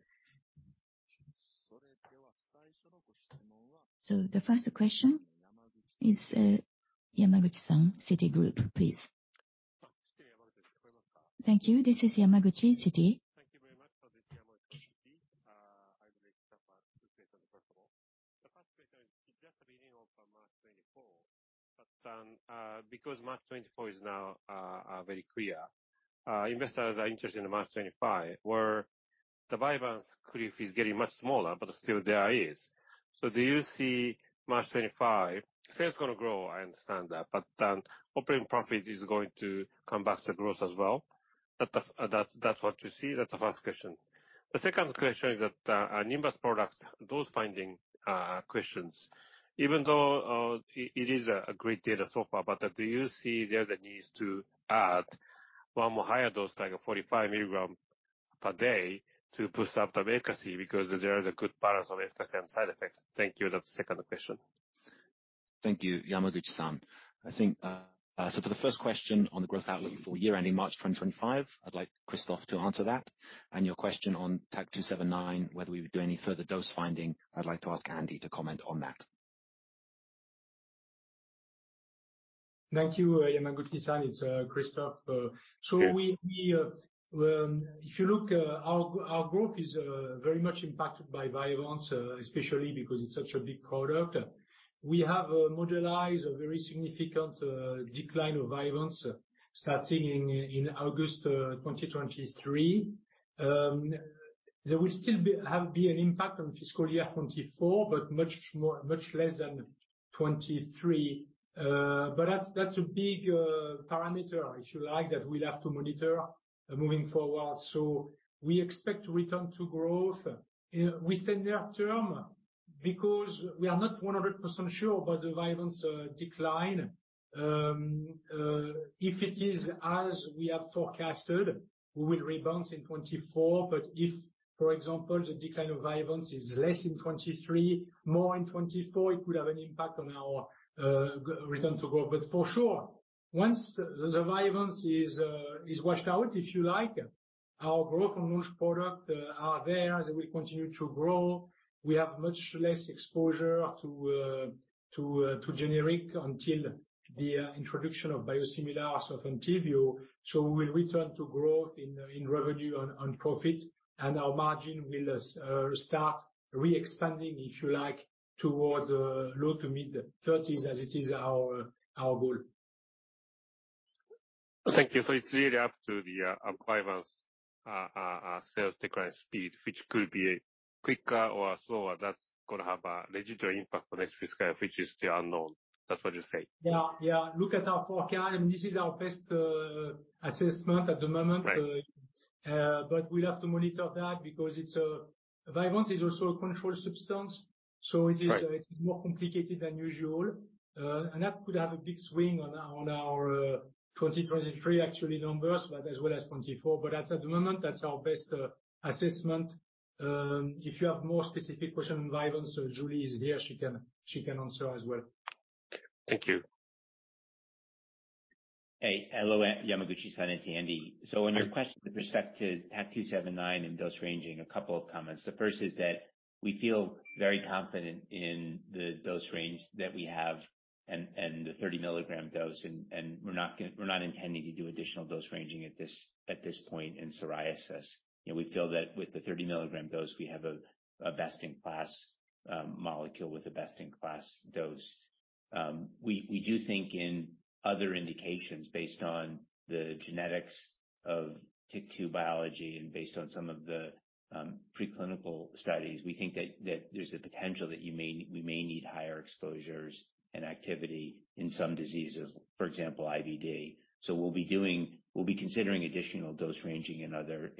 The first question is, Yamaguchi-san, Citigroup, please. Thank you. This is Yamaguchi, Citi. Thank you very much. This is Yamaguchi. I will make sure to state that first of all. The first question is, it's just the beginning of March 2024, but, because March 2024 is now very clear, investors are interested in March 2025, where the Vyvanse cliff is getting much smaller, but still there is. Do you see March 2025 sales gonna grow, I understand that, but operating profit is going to come back to growth as well? That's what you see? That's the first question. The second question is that, Nimbus product, dose finding questions. Even though, it is a great data so far, but, do you see there's a need to add one more higher dose, like a 45 milligram per day to push up the efficacy because there is a good balance of efficacy and side effects? Thank you. That's the second question. Thank you, Yamaguchi-san. I think for the first question on the growth outlook for year-end in March 2025, I'd like Christophe to answer that. Your question on TAK-279, whether we would do any further dose finding, I'd like to ask Andy to comment on that. Thank you, Yamaguchi-san. It's Christophe. We, if you look, our growth is very much impacted by Vyvanse, especially because it's such a big product. We have modelized a very significant decline of Vyvanse starting in August, 2023. There will still be, have been an impact on fiscal year 2024, but much more, much less than 2023. That's a big parameter, if you like, that we'll have to monitor moving forward. We expect to return to growth in within near term because we are not 100% sure about the Vyvanse decline. If it is as we have forecasted, we will rebalance in 2024. If, for example, the decline of Vyvanse is less in 2023, more in 2024, it could have an impact on our return to growth. For sure, once the Vyvanse is washed out, if you like, our growth on most product are there as we continue to grow. We have much less exposure to generic until the introduction of biosimilars of ENTYVIO. We will return to growth in revenue on profit, and our margin will start re-expanding, if you like, towards low to mid 30s as it is our goal. Thank you. It's really up to the Vyvanse sales decline speed, which could be quicker or slower. That's gonna have a legitimate impact for next fiscal year, which is still unknown. That's what you're saying? Yeah. Yeah. Look at our forecast. I mean, this is our best assessment at the moment. Right. We'll have to monitor that because it's Vyvanse is also a controlled substance. Right. More complicated than usual. That could have a big swing on our 2023 actually numbers, but as well as 2024. At the moment, that's our best assessment. If you have more specific question on Vyvanse, Julie is here. She can answer as well. Thank you. Hey. Hello, Yamaguchi-san. It's Andy. On your question with respect to TAK-279 and dose ranging, a couple of comments. The first is that we feel very confident in the dose range that we have and the 30 milligram dose. We're not intending to do additional dose ranging at this point in psoriasis. You know, we feel that with the 30 milligram dose, we have a best-in-class molecule with a best-in-class dose. We do think in other indications based on the genetics of TYK2 biology and based on some of the preclinical studies, we think that there's a potential that we may need higher exposures and activity in some diseases, for example, IBD. We'll be considering additional dose ranging in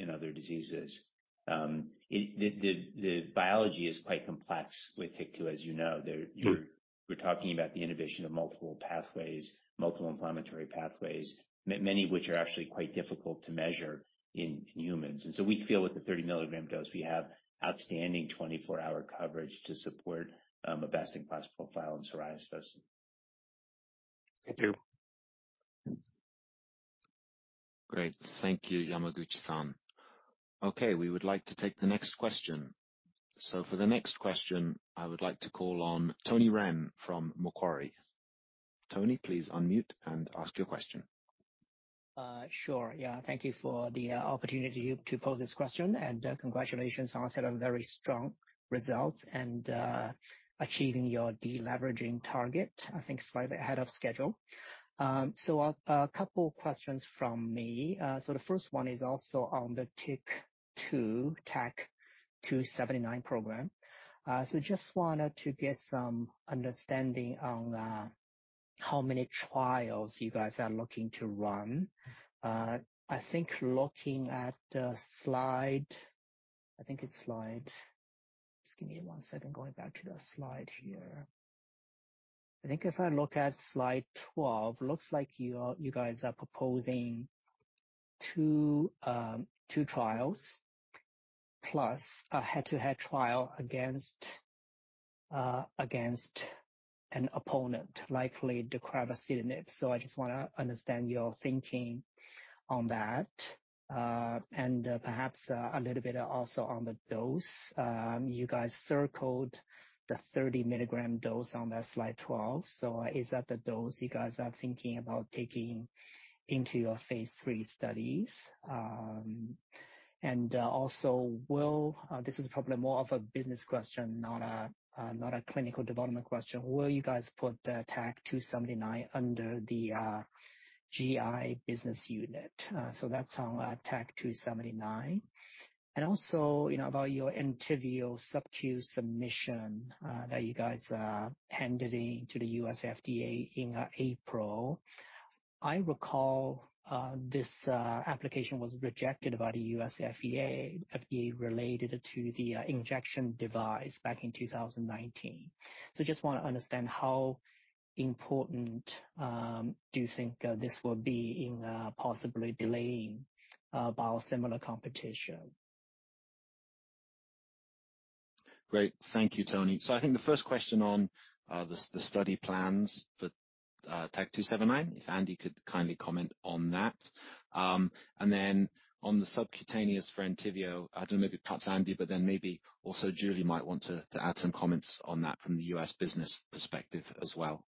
other diseases. It, the biology is quite complex with TYK2, as you know. You're talking about the inhibition of multiple pathways, multiple inflammatory pathways, many of which are actually quite difficult to measure in humans. We feel with the 30 milligram dose, we have outstanding 24-hour coverage to support a best-in-class profile in psoriasis. Thank you. Great. Thank you, Yamaguchi-san. Okay. We would like to take the next question. For the next question, I would like to call on Tony Ren from Macquarie. Tony, please unmute and ask your question. Sure. Yeah. Thank you for the opportunity to pose this question, and congratulations on a set of very strong results and achieving your deleveraging target, I think slightly ahead of schedule. A couple questions from me. The first one is also on the TYK2 TAK-279 program. Just wanted to get some understanding on how many trials you guys are looking to run. I think looking at the slide. Just give me one second. Going back to the slide here. I think if I look at slide 12, looks like you guys are proposing two trials plus a head-to-head trial against an opponent, likely deucravacitinib. I just wanna understand your thinking on that, and perhaps a little bit also on the dose. You guys circled the 30 milligram dose on that slide 12. Is that the dose you guys are thinking about taking into your phase III studies? This is probably more of a business question, not a clinical development question. Will you guys put the TAK-279 under the GI business unit? That's on TAK-279. Also, you know, about your ENTYVIO subQ submission, that you guys handed in to the U.S. F.D.A. in April. I recall, this application was rejected by the U.S. F.D.A. related to the injection device back in 2019. Just wanna understand how important do you think this will be in possibly delaying biosimilar competition? Great. Thank you, Tony. I think the first question on the study plans for TAK-279, if Andy could kindly comment on that. Then on the subcutaneous for ENTYVIO, I don't know, maybe perhaps Andy, but then maybe also Julie might want to add some comments on that from the U.S. business perspective as well.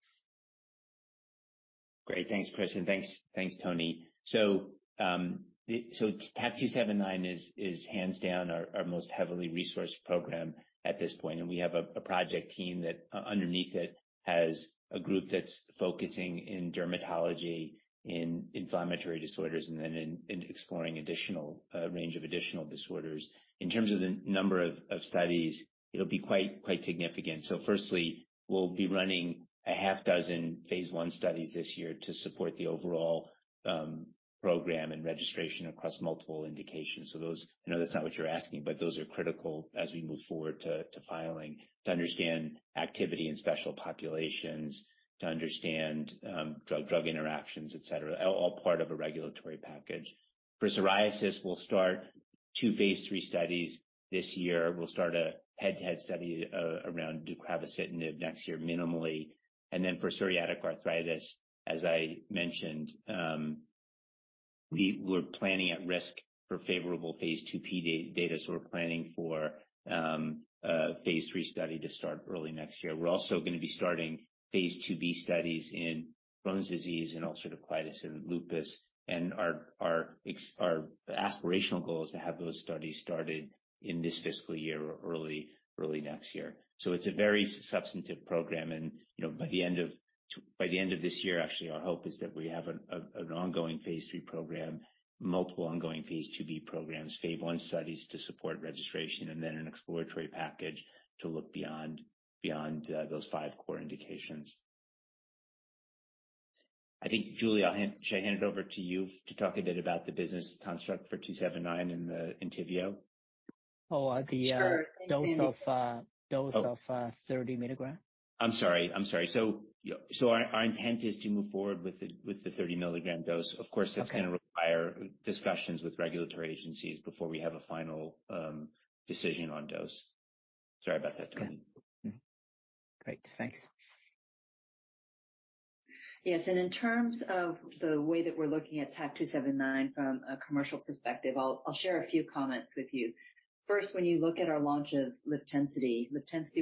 Great. Thanks, Christian. Thanks, Tony. TAK-279 is hands down our most heavily resourced program at this point, and we have a project team that underneath it has a group that's focusing in dermatology, in inflammatory disorders and then in exploring additional range of additional disorders. In terms of the number of studies, it'll be quite significant. Firstly, we'll be running a half dozen phase I studies this year to support the overall program and registration across multiple indications. I know that's not what you're asking, but those are critical as we move forward to filing to understand activity in special populations, to understand drug-drug interactions, et cetera. All part of a regulatory package. For psoriasis, we'll start 2 phase III studies this year. We'll start a head-to-head study around deucravacitinib next year minimally. Then for psoriatic arthritis, as I mentioned, we were planning at risk for favorable phase II data. We're planning for a phase III study to start early next year. We're also going to be starting phase IIB studies in Crohn's disease and ulcerative colitis and lupus. Our aspirational goal is to have those studies started in this fiscal year or early next year. It's a very substantive program and, you know, by the end of this year, actually, our hope is that we have an ongoing phase III program, multiple ongoing phase IIB programs, phase I studies to support registration and then an exploratory package to look beyond those 5 core indications. I think, Julie, I'll hand... Should I hand it over to you to talk a bit about the business construct for TAK-279 and the ENTYVIO? Oh, the. Sure. -dose of, 30 milligram. I'm sorry. Our intent is to move forward with the 30 milligram dose. Of course- Okay. That's gonna require discussions with regulatory agencies before we have a final decision on dose. Sorry about that, Tony. Okay. Great. Thanks. Yes. In terms of the way that we're looking at TAK-279 from a commercial perspective, I'll share a few comments with you. First, when you look at our launch of LIVTENCITY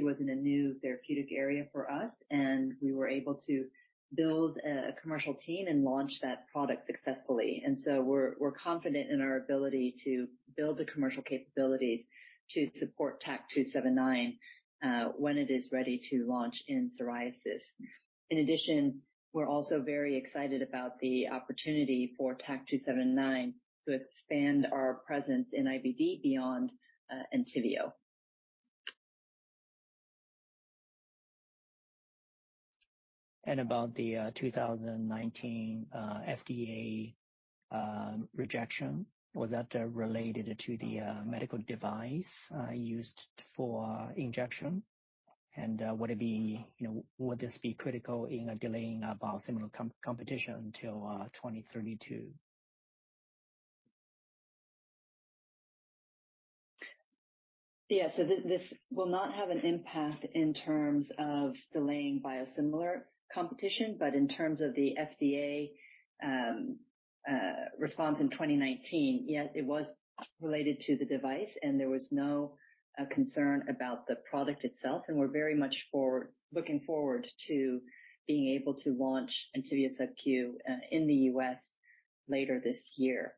was in a new therapeutic area for us, and we were able to build a commercial team and launch that product successfully. We're confident in our ability to build the commercial capabilities to support TAK-279 when it is ready to launch in psoriasis. In addition, we're also very excited about the opportunity for TAK-279 to expand our presence in IBD beyond ENTYVIO. About the 2019 FDA rejection, was that related to the medical device used for injection? You know, would this be critical in delaying a biosimilar competition till 2032? This will not have an impact in terms of delaying biosimilar competition, but in terms of the FDA response in 2019, yes, it was related to the device, and there was no concern about the product itself, and we're very much looking forward to being able to launch ENTYVIO subQ in the U.S. later this year.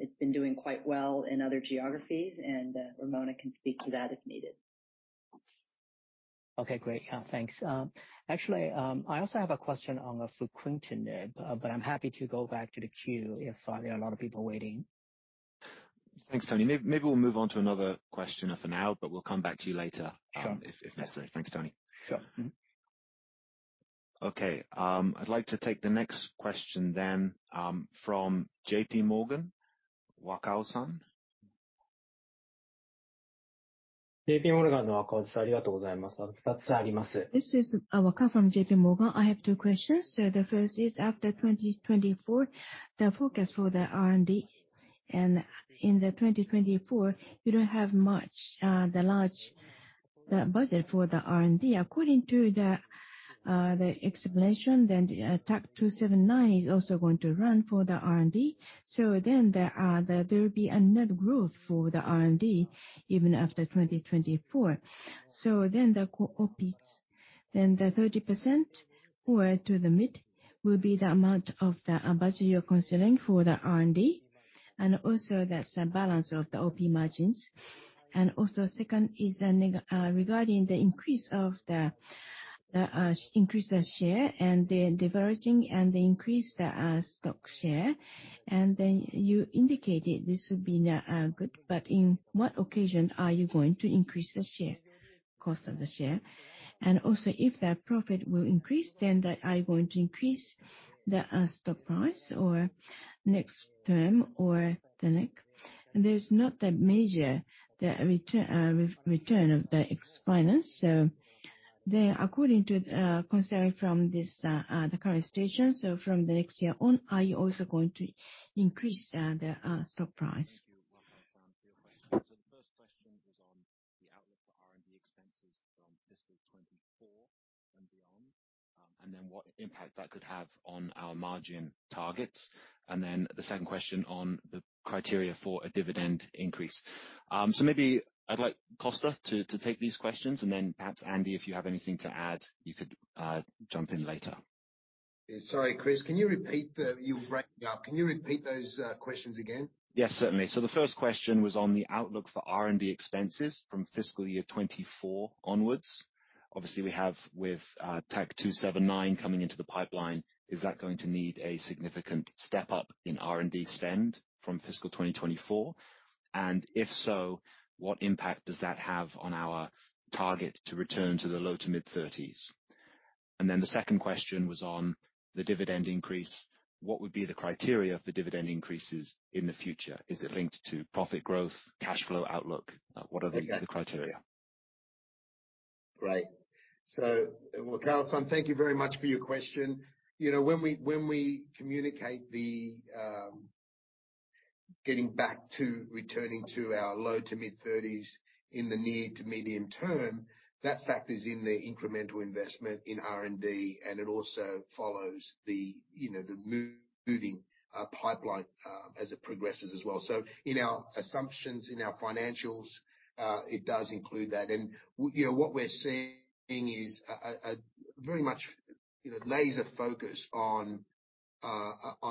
It's been doing quite well in other geographies, and Ramona can speak to that if needed. Okay, great. Yeah, thanks. Actually, I also have a question on the fruquintinib, but I'm happy to go back to the queue if there are a lot of people waiting. Thanks, Tony. Maybe we'll move on to another questioner for now, but we'll come back to you later. Sure. if necessary. Thanks, Tony. Sure. Mm-hmm. I'd like to take the next question then, from JP Morgan, Wakausan. This is Wakao from JPMorgan. I have two questions. The first is after 2024, the focus for the R&D. In the 2024, you don't have much the large budget for the R&D. According to the explanation, TAK-279 is also going to run for the R&D. There will be a net growth for the R&D even after 2024. The OpEx, then the 30% or to the mid will be the amount of the budget you're considering for the R&D, and also that's the balance of the Op margins. Second is regarding the increase of the increase of share and the diverging and the increase the stock share. You indicated this would be good, but in what occasion are you going to increase the share, cost of the share? Also if that profit will increase, then are you going to increase the stock price or next term or the next? There's not that major, the return, re-return of the X finance. According to, considering from this, the current situation, from the next year on, are you also going to increase the stock price? Thank you, Wakausan for your question. The first question was on the outlook for R&D expenses from fiscal 2024 and beyond, what impact that could have on our margin targets. The second question on the criteria for a dividend increase. Maybe I'd like Costa to take these questions, and then perhaps, Andy, if you have anything to add, you could jump in later. Sorry, Chris. You've broken up. Can you repeat those questions again? Yes, certainly. The first question was on the outlook for R&D expenses from fiscal year 2024 onwards. Obviously, we have with TAK-279 coming into the pipeline, is that going to need a sign ificant step up in R&D spend from fiscal 2024? If so, what impact does that have on our target to return to the low-to-mid 30s? The second question was on the dividend increase. What would be the criteria for dividend increases in the future? Is it linked to profit growth, cash flow outlook? What are the criteria? Right. Wakausan, thank you very much for your question. You know, when we communicate the getting back to returning to our low-to-mid 30s in the near to medium term, that factors in the incremental investment in R&D. It also follows the, you know, moving pipeline as it progresses as well. In our assumptions, in our financials, it does include that. You know, what we're seeing is a very much, you know, laser focus on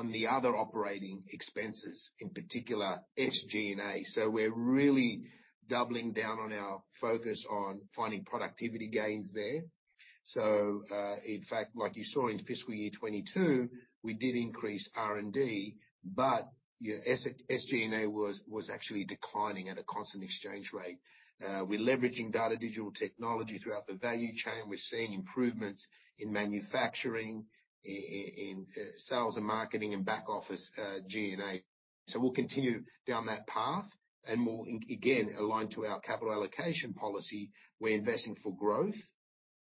the other operating expenses, in particular SG&A. We're really doubling down on our focus on finding productivity gains there. In fact, like you saw in fiscal year 22, we did increase R&D, but, you know, SG&A was actually declining at a constant exchange rate. We're leveraging data digital technology throughout the value chain. We're seeing improvements in manufacturing, in sales and marketing and back office G&A. We'll continue down that path, and we'll again, align to our capital allocation policy. We're investing for growth,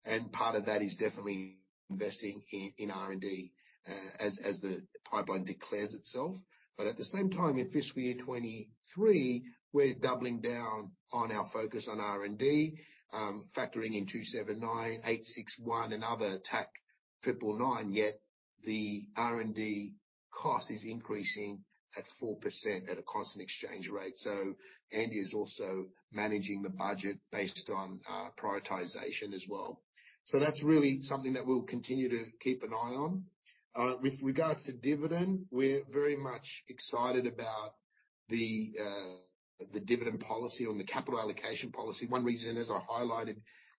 and part of that is definitely investing in R&D, as the pipeline declares itself. At the same time, in fiscal year 23, we're doubling down on our focus on R&D, factoring in TAK-279, TAK-861 and other TAK-999, yet the R&D cost is increasing at 4% at a constant exchange rate. Andy is also managing the budget based on prioritization as well. That's really something that we'll continue to keep an eye on. With regards to dividend, we're very much excited about the dividend policy or the capital allocation policy. One reason, as I highlighted,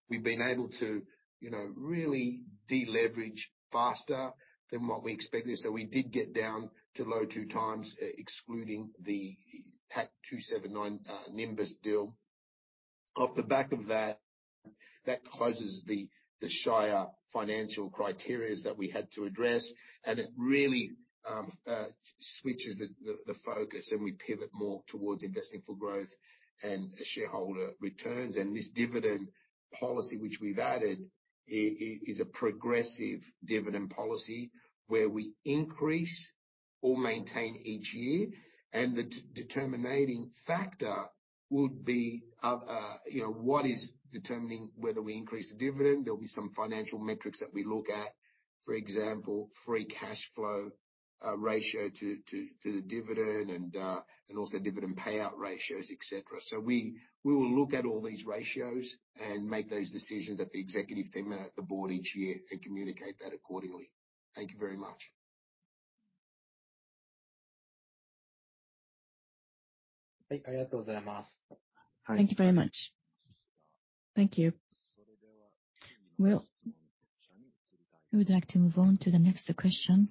we've been able to, you know, really deleverage faster than what we expected. We did get down to low two times, excluding the TAK-279, Nimbus deal. Off the back of that closes the Shire financial criteria that we had to address, and it really switches the focus, and we pivot more towards investing for growth and shareholder returns. This dividend policy, which we've added is a progressive dividend policy where we increase or maintain each year. The determining factor will be, you know, what is determining whether we increase the dividend. There'll be some financial metrics that we look at. For example, free cash flow ratio to the dividend and also dividend payout ratios, et cetera. We will look at all these ratios and make those decisions at the executive team and at the board each year and communicate that accordingly. Thank you very much. Thank you very much. Thank you. Well, I would like to move on to the next question.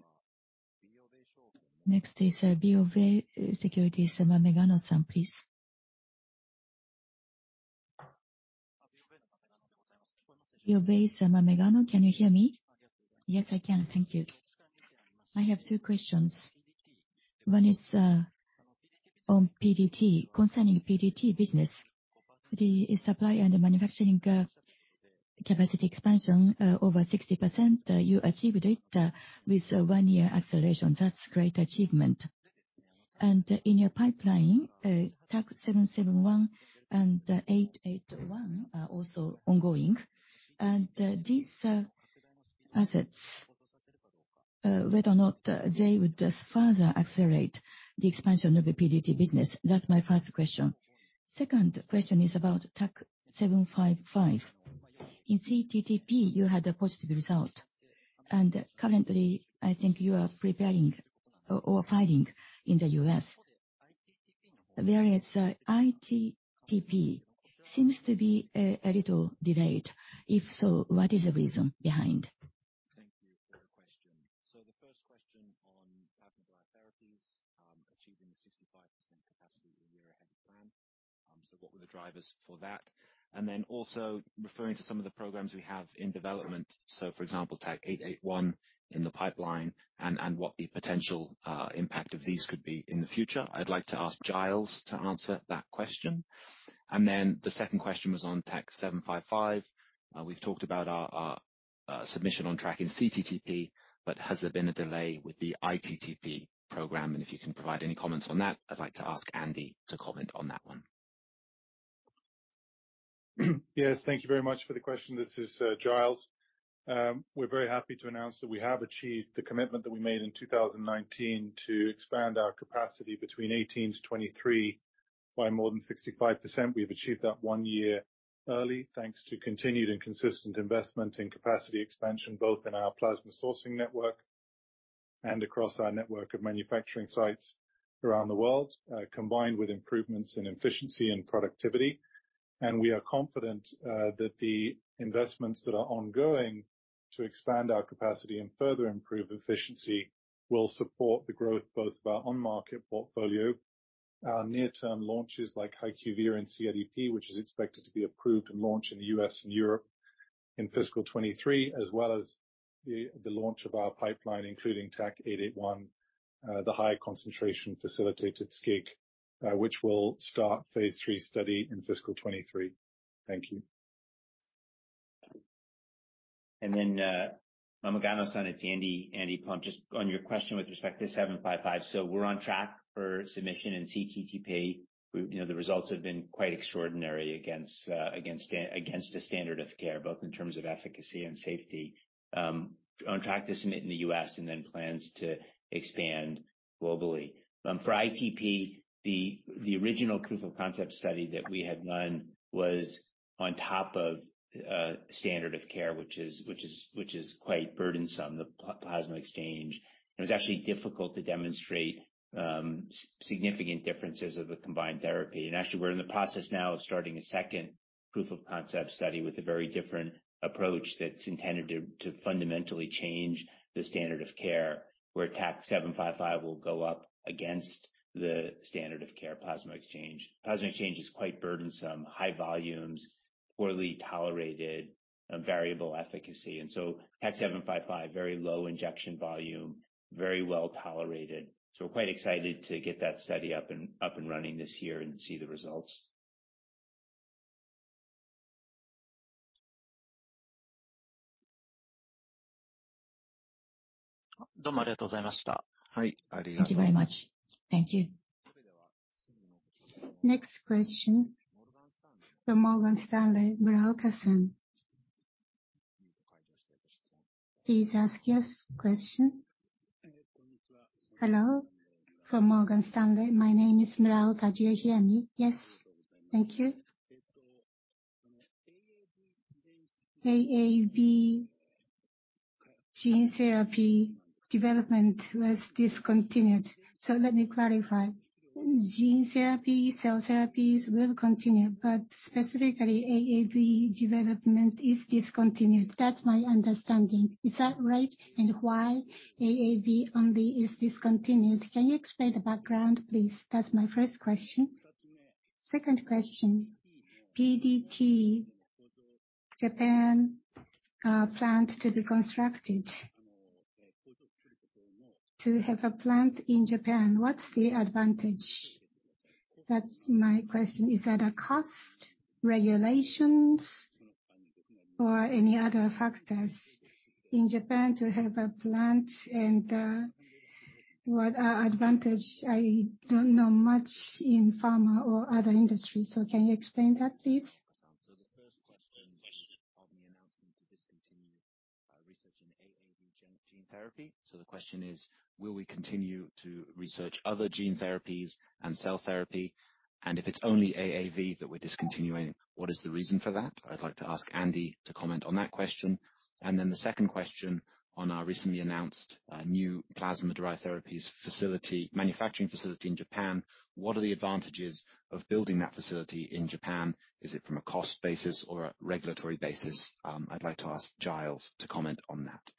Next is BofA Securities, Shinichiro Muraoka-san, please. Shinichiro Muraoka. Can you hear me? Yes, I can. Thank you. I have two questions. One is on PDT. Concerning PDT business, the supply and manufacturing capacity expansion, over 60%. You achieved it with 1 year acceleration. That's great achievement. In your pipeline, TAK-771 and 881 are also ongoing. These assets, whether or not they would just further accelerate the expansion of the PDT business. That's my first question. Second question is about TAK-755. In cTTP, you had a positive result. Currently, I think you are preparing or filing in the U.S. Whereas iTTP seems to be a little delayed. If so, what is the reason behind? Thank you for your question. The first question on plasma bio therapies, achieving the 65% capacity a year ahead of plan. What were the drivers for that? Also referring to some of the programs we have in development. For example, TAK-881 in the pipeline and what the potential impact of these could be in the future. I'd like to ask Giles to answer that question. The second question was on TAK-755. We've talked about our submission on track in cTTP, but has there been a delay with the iTTP program? If you can provide any comments on that, I'd like to ask Andy to comment on that one. Yes, thank you very much for the question. This is Giles. We're very happy to announce that we have achieved the commitment that we made in 2019 to expand our capacity between 2018-2023 by more than 65%. We have achieved that one year early, thanks to continued and consistent investment in capacity expansion, both in our plasma sourcing network and across our network of manufacturing sites around the world, combined with improvements in efficiency and productivity. We are confident that the investments that are ongoing to expand our capacity and further improve efficiency will support the growth both of our on-market portfolio, our near-term launches like HYQVIA and C1-INH, which is expected to be approved and launched in the U.S. and Europe in fiscal 2023. As well as the launch of our pipeline, including TAK-881, the high concentration facilitated SCIG, which will start phase III study in fiscal 23. Thank you. Megano-san, it's Andy Plump. Just on your question with respect to 755. We're on track for submission in cTTP. You know, the results have been quite extraordinary against the standard of care, both in terms of efficacy and safety. On track to submit in the U.S. and then plans to expand globally. For ITP, the original proof of concept study that we had done was on top of standard of care, which is quite burdensome, the plasma exchange. It was actually difficult to demonstrate significant differences of the combined therapy. Actually, we're in the process now of starting a second proof of concept study with a very different approach that's intended to fundamentally change the standard of care, where TAK-755 will go up against the standard of care plasma exchange. Plasma exchange is quite burdensome, high volumes, poorly tolerated and variable efficacy. TAK-755, very low injection volume, very well tolerated. We're quite excited to get that study up and running this year and see the results. Thank you very much. Thank you. Next question from Morgan Stanley, Muraoka-san. Please ask your question. Hello, from Morgan Stanley. My name is Muraoka. Do you hear me? Yes. Thank you. AAV gene therapy development was discontinued. Let me clarify. Gene therapy, cell therapies will continue, but specifically AAV development is discontinued. That's my understanding. Is that right? Why AAV only is discontinued? Can you explain the background, please? That's my first question. Second question. PDT Japan, plant to be constructed. To have a plant in Japan, what's the advantage? That's my question. Is that a cost, regulations or any other factors? In Japan to have a plant and, what are advantage? I don't know much in pharma or other industries. Can you explain that, please? Research in AAV gene therapy. The question is, will we continue to research other gene therapies and cell therapy? If it's only AAV that we're discontinuing, what is the reason for that? I'd like to ask Andy to comment on that question. The second question on our recently announced new plasma-derived therapies manufacturing facility in Japan, what are the advantages of building that facility in Japan? Is it from a cost basis or a regulatory basis? I'd like to ask Giles to comment on that.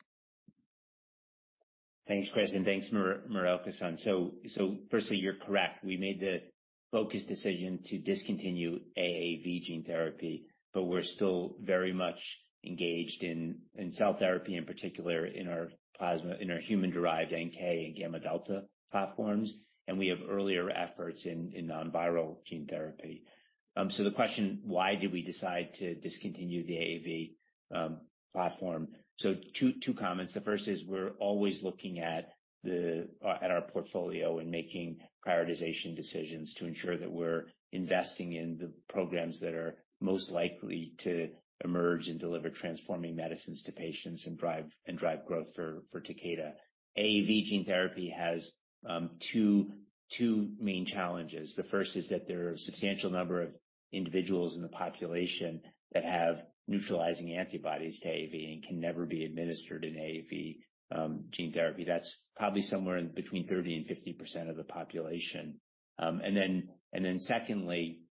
Thanks, Chris, thanks, Morikawa-san. Firstly, you're correct. We made the focused decision to discontinue AAV gene therapy. We're still very much engaged in cell therapy, in particular in our plasma, in our human-derived NK and gamma delta platforms. We have earlier efforts in non-viral gene therapy. The question, why did we decide to discontinue the AAV platform? Two comments. The first is, we're always looking at our portfolio and making prioritization decisions to ensure that we're investing in the programs that are most likely to emerge and deliver transforming medicines to patients and drive growth for Takeda. AAV gene therapy has two main ch allenges. The first is that there are a substantial number of individuals in the population that have neutralizing antibodies to AAV and can never be administered an AAV, gene therapy. That's probably somewhere in between 30% and 50% of the population. Secondly,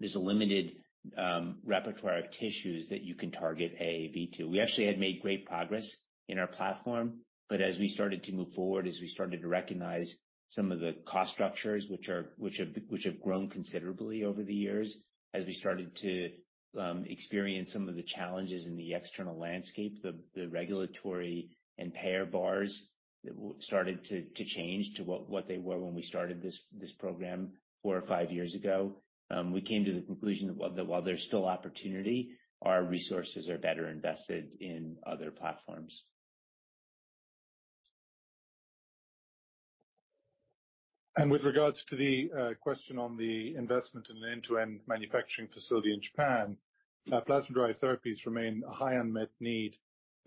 there's a limited repertoire of tissues that you can target AAV to. We actually had made great progress in our platform, but as we started to move forward, as we started to recognize some of the cost structures which have grown considerably over the years, as we started to experience some of the challenges in the external landscape, the regulatory and payer bars started to change to what they were when we started this program four or five years ago, we came to the conclusion that while there's still opportunity, our resources are better invested in other platforms. With regards to the question on the investment in an end-to-end manufacturing facility in Japan, plasma-derived therapies remain a high unmet need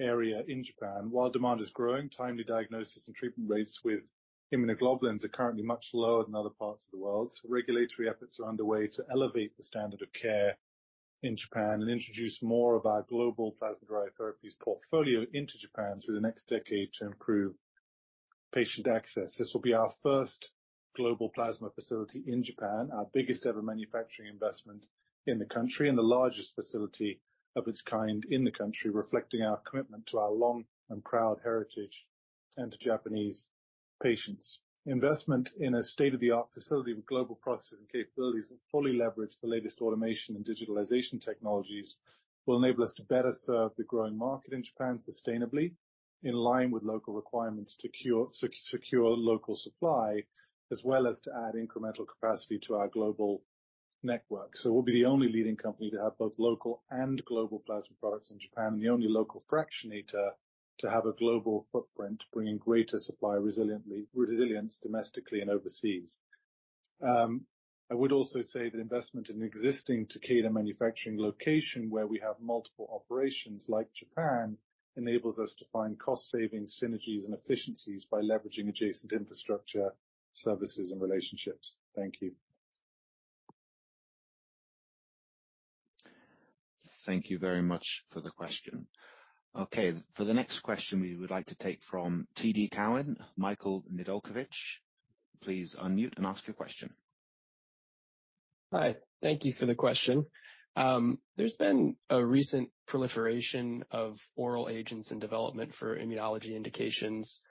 area in Japan. While demand is growing, timely diagnosis and treatment rates with immunoglobulins are currently much lower than other parts of the world. Regulatory efforts are underway to elevate the standard of care in Japan and introduce more of our global plasma-derived therapies portfolio into Japan through the next decade to improve patient access. This will be our first global plasma facility in Japan, our biggest ever manufacturing investment in the country, and the largest facility of its kind in the country, reflecting our commitment to our long and proud heritage and to Japanese patients. Investment in a state-of-the-art facility with global processes and capabilities that fully leverage the latest automation and digitalization technologies will enable us to better serve the growing market in Japan sustainably in line with local requirements to secure local supply, as well as to add incremental capacity to our global network. We'll be the only leading company to have both local and global plasma products in Japan, and the only local fractionator to have a global footprint, bringing greater supply resilience domestically and overseas. I would also say that investment in existing Takeda manufacturing location where we have multiple operations like Japan, enables us to find cost savings, synergies and efficiencies by leveraging adjacent infrastructure, services and relationships. Thank you. Thank you very much for the question. Okay, for the next question, we would like to take from TD Cowen, Michael Nedelcovych. Please unmute and ask your question. Hi. Thank you for the question. There's been a recent proliferation of oral agents in development for immunology indications,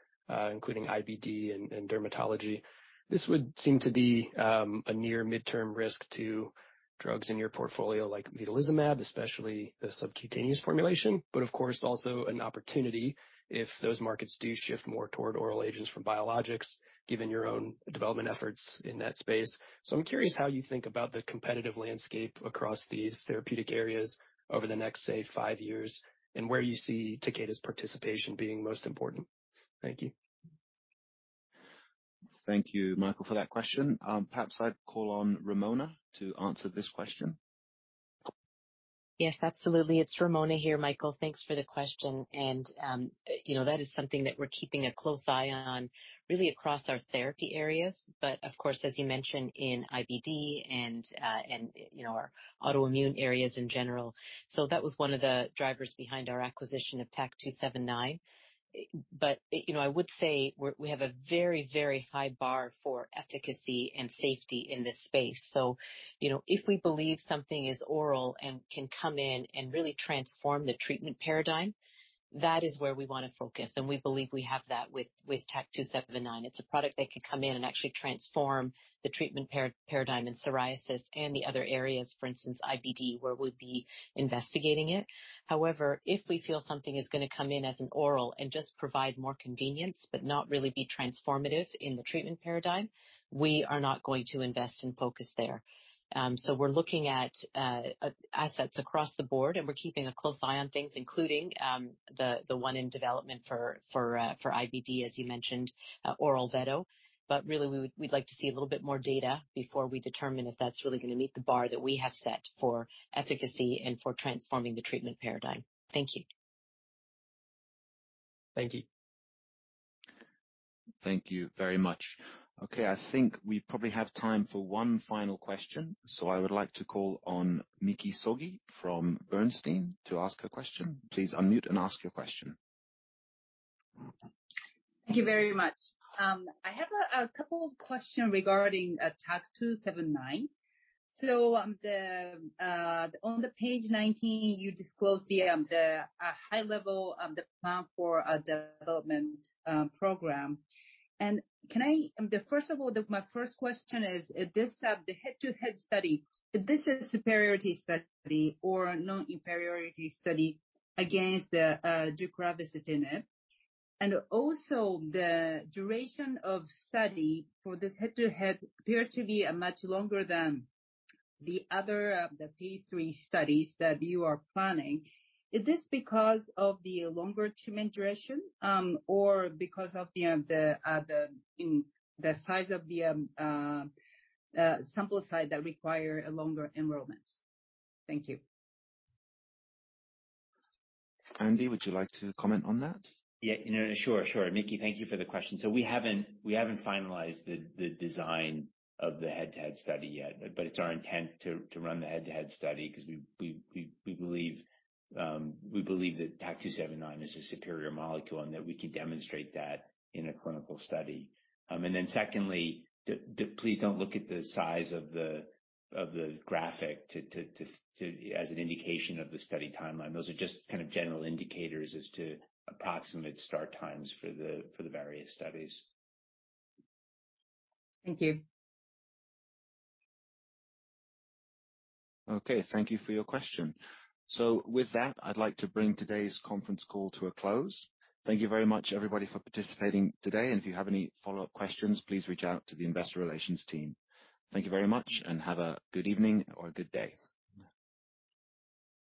including IBD and dermatology. This would seem to be a near midterm risk to drugs in your portfolio like vedolizumab, especially the subcutaneous formulation, but of course, also an opportunity if those markets do shift more toward oral agents from biologics, given your own development efforts in that space. I'm curious how you think about the competitive landscape across these therapeutic areas over the next, say, five years, and where you see Takeda's participation being most important. Thank you. Thank you, Michael, for that question. Perhaps I'd call on Ramona to answer this question. Yes, absolutely. It's Ramona here, Michael. Thanks for the question. You know, that is something that we're keeping a close eye on really across our therapy areas. Of course, as you mentioned in IBD, and you know, our autoimmune areas in general. That was one of the drivers behind our acquisition of TAK-279. You know, I would say we have a very, very high bar for efficacy and safety in this space. You know, if we believe something is oral and can come in and really transform the treatment paradigm, that is where we wanna focus. We believe we have that with TAK-279. It's a product that can come in and actually transform the treatment paradigm in psoriasis and the other areas, for instance, IBD, where we'll be investigating it. If we feel something is gonna come in as an oral and just provide more convenience but not really be transformative in the treatment paradigm, we are not going to invest and focus there. We're looking at assets across the board, and we're keeping a close eye on things, including the one in development for IBD, as you mentioned, oral Veto. Really, we'd like to see a little bit more data before we determine if that's really gonna meet the bar that we have set for efficacy and for transforming the treatment paradigm. Thank you. Thank you. Thank you very much. Okay, I think we probably have time for one final question. I would like to call on Miki Sogi from Bernstein to ask a question. Please unmute and ask your question. Thank you very much. I have a couple of question regarding TAK-279. On the page 19, you disclose the high level of the plan for development program. My first question is, this head-to-head study, this is superiority study or non-inferiority study against the deucravacitinib? Also the duration of study for this head-to-head appear to be much longer than the other phase III studies that you are planning. Is this because of the longer treatment duration or because of the size of the sample size that require a longer enrollments? Thank you. Andy, would you like to comment on that? Yeah, no, sure. Miki, thank you for the question. We haven't finalized the design of the head-to-head study yet, but it's our intent to run the head-to-head study 'cause we believe that TAK-279 is a superior molecule and that we can demonstrate that in a clinical study. Secondly, please don't look at the size of the, of the graphic to as an indication of the study timeline. Those are just kind of general indicators as to approximate start times for the, for the various studies. Thank you. Okay, thank you for your question. With that, I'd like to bring today's conference call to a close. Thank you very much everybody for participating today. If you have any follow-up questions, please reach out to the investor relations team. Thank you very much and have a good evening or a good day.